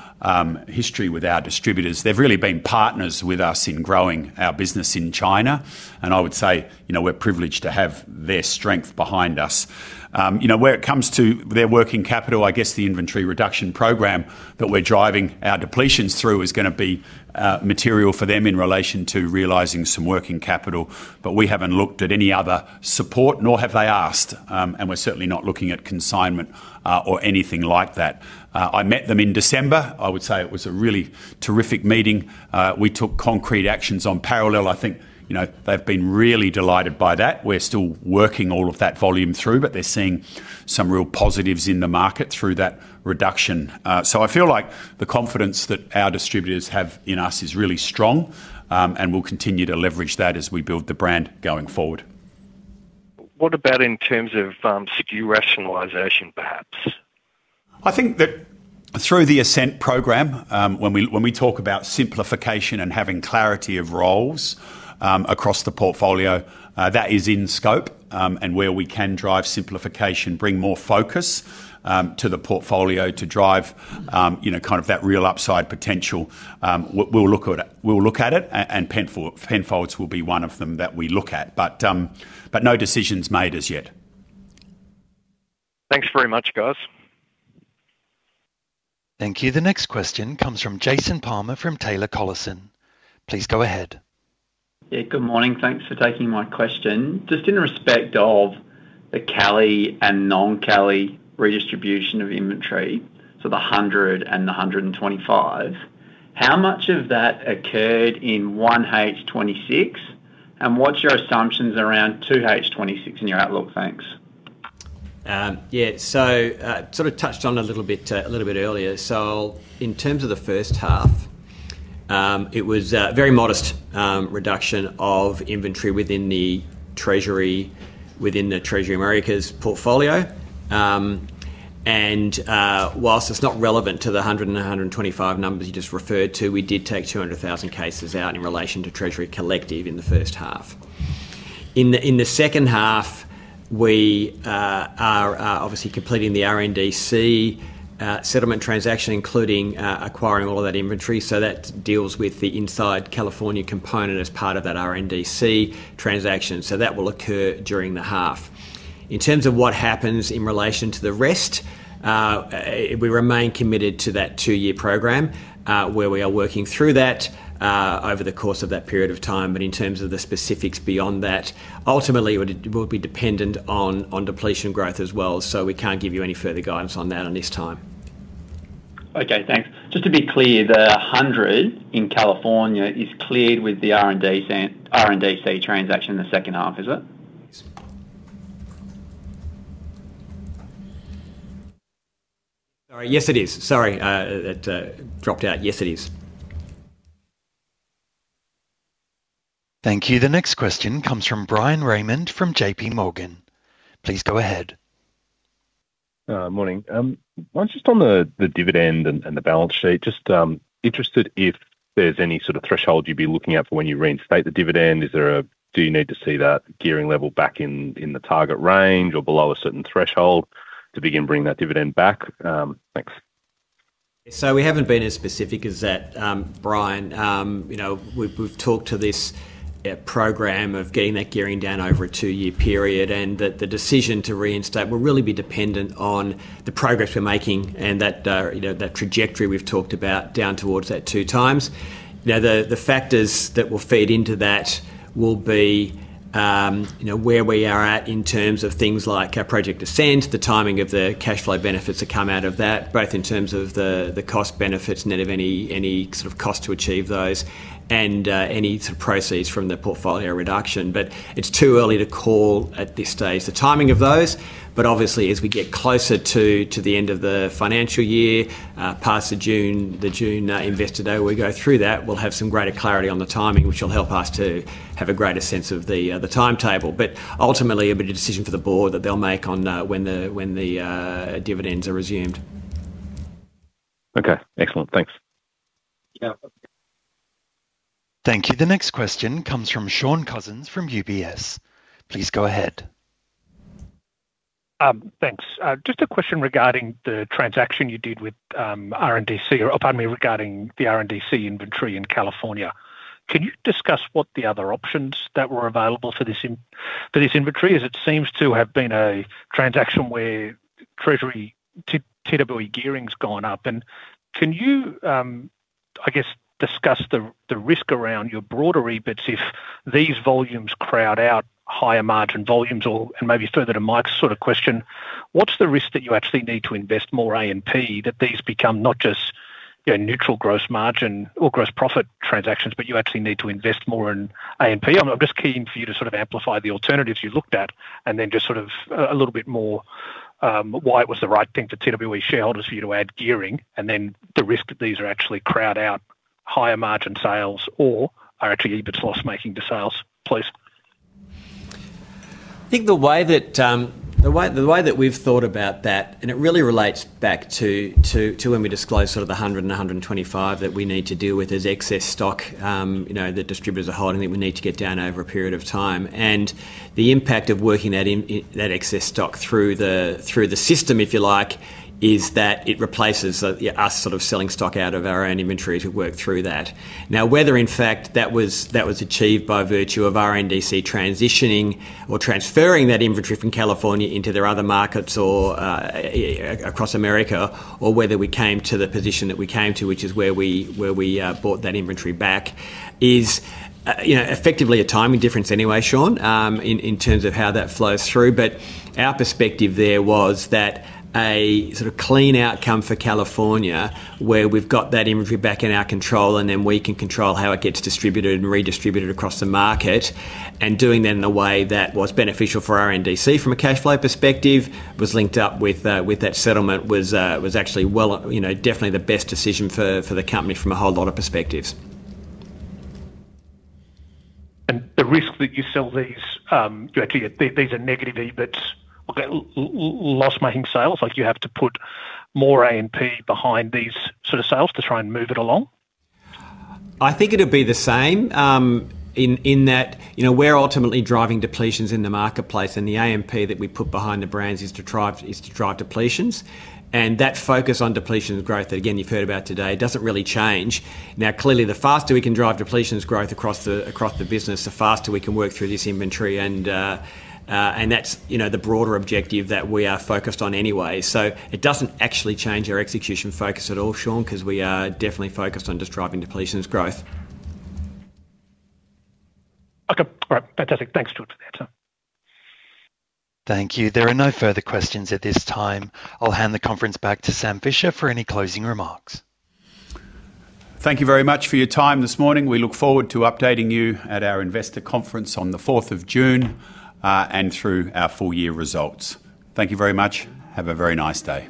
history with our distributors. They've really been partners with us in growing our business in China, and I would say, you know, we're privileged to have their strength behind us. You know, where it comes to their working capital, I guess the inventory reduction program that we're driving our depletions through is gonna be, material for them in relation to realizing some working capital, but we haven't looked at any other support, nor have they asked, and we're certainly not looking at consignment, or anything like that. I met them in December. I would say it was a really terrific meeting. We took concrete actions on parallel. I think, you know, they've been really delighted by that. We're still working all of that volume through, but they're seeing some real positives in the market through that reduction. So I feel like the confidence that our distributors have in us is really strong, and we'll continue to leverage that as we build the brand going forward. What about in terms of, SKU rationalization, perhaps? I think that through the Ascent program, when we talk about simplification and having clarity of roles across the portfolio, that is in scope. And where we can drive simplification, bring more focus to the portfolio to drive you know, kind of that real upside potential, we'll look at it. We'll look at it, and Penfolds will be one of them that we look at, but but no decisions made as yet. Thanks very much, guys. Thank you. The next question comes from Jason Palmer, from Taylor Collison. Please go ahead. Yeah, good morning. Thanks for taking my question. Just in respect of the Cali and non-Cali redistribution of inventory, so the 100 and the 125, how much of that occurred in 1H 2026? And what's your assumptions around 2H 2026 in your outlook? Thanks. Yeah, so, sort of touched on it a little bit, little bit earlier. So in terms of the first half, it was a very modest reduction of inventory within the Treasury, within the Treasury Americas portfolio. And, whilst it's not relevant to the 100 and 125 numbers you just referred to, we did take 200,000 cases out in relation to Treasury Collective in the first half. In the second half, we are obviously completing the RNDC settlement transaction, including acquiring all of that inventory, so that deals with the inside California component as part of that RNDC transaction, so that will occur during the half. In terms of what happens in relation to the rest, we remain committed to that two-year program, where we are working through that, over the course of that period of time. But in terms of the specifics beyond that, ultimately, it would, it will be dependent on, on depletion growth as well, so we can't give you any further guidance on that on this time. Okay, thanks. Just to be clear, the $100 in California is cleared with the RNDC transaction in the second half, is it? All right. Yes, it is. Sorry, it dropped out. Yes, it is. Thank you. The next question comes from Bryan Raymond from JP Morgan. Please go ahead. Morning. Just on the dividend and the balance sheet, just interested if there's any sort of threshold you'd be looking at for when you reinstate the dividend. Do you need to see that gearing level back in the target range or below a certain threshold to begin bringing that dividend back? Thanks. So we haven't been as specific as that, Brian. You know, we've talked to this program of getting that gearing down over a two-year period, and the decision to reinstate will really be dependent on the progress we're making and that, you know, that trajectory we've talked about down towards that 2x. You know, the factors that will feed into that will be, you know, where we are at in terms of things like our Project Ascent, the timing of the cash flow benefits that come out of that, both in terms of the cost benefits net of any sort of cost to achieve those, and any sort of proceeds from the portfolio reduction. But it's too early to call at this stage, the timing of those, but obviously as we get closer to the end of the financial year, past the June Investor Day, we go through that, we'll have some greater clarity on the timing, which will help us to have a greater sense of the timetable. But ultimately, it'll be a decision for the board that they'll make on when the dividends are resumed.... Okay, excellent. Thanks. Yeah. Thank you. The next question comes from Shaun Cousins from UBS. Please go ahead. Thanks. Just a question regarding the transaction you did with RNDC, or pardon me, regarding the RNDC inventory in California. Can you discuss what the other options that were available for this, for this inventory, as it seems to have been a transaction where TWE gearing's gone up? And can you, I guess, discuss the risk around your broader EBITDA if these volumes crowd out higher margin volumes? Or, and maybe further to Mike's sort of question, what's the risk that you actually need to invest more A&P, that these become not just, you know, neutral gross margin or gross profit transactions, but you actually need to invest more in A&P? I'm just keen for you to sort of amplify the alternatives you looked at, and then just sort of a little bit more why it was the right thing for TWE shareholders for you to add gearing, and then the risk that these are actually crowd out higher margin sales or are actually EBITDA's loss making the sales, please. I think the way that we've thought about that, and it really relates back to when we disclosed sort of the 100 and 125 that we need to deal with as excess stock, you know, that distributors are holding, that we need to get down over a period of time. And the impact of working that in that excess stock through the system, if you like, is that it replaces us sort of selling stock out of our own inventory to work through that. Now, whether in fact that was achieved by virtue of RNDC transitioning or transferring that inventory from California into their other markets or across America, or whether we came to the position that we came to, which is where we bought that inventory back, is you know, effectively a timing difference anyway, Sean, in terms of how that flows through. But our perspective there was that a sort of clean outcome for California, where we've got that inventory back in our control, and then we can control how it gets distributed and redistributed across the market, and doing that in a way that was beneficial for RNDC from a cash flow perspective, was linked up with that settlement, was actually well, you know, definitely the best decision for the company from a whole lot of perspectives. The risk that you sell these, you actually, these, these are negative EBITDA, but loss-making sales, like you have to put more A&P behind these sort of sales to try and move it along? I think it'd be the same, in that, you know, we're ultimately driving depletions in the marketplace, and the A&P that we put behind the brands is to drive, is to drive depletions. And that focus on depletions growth, again, you've heard about today, doesn't really change. Now, clearly, the faster we can drive depletions growth across the business, the faster we can work through this inventory, and that's, you know, the broader objective that we are focused on anyway. So it doesn't actually change our execution focus at all, Sean, 'cause we are definitely focused on just driving depletions growth. Okay. All right. Fantastic. Thanks for the answer. Thank you. There are no further questions at this time. I'll hand the conference back to Sam Fischer for any closing remarks. Thank you very much for your time this morning. We look forward to updating you at our investor conference on the fourth of June, and through our full year results. Thank you very much. Have a very nice day.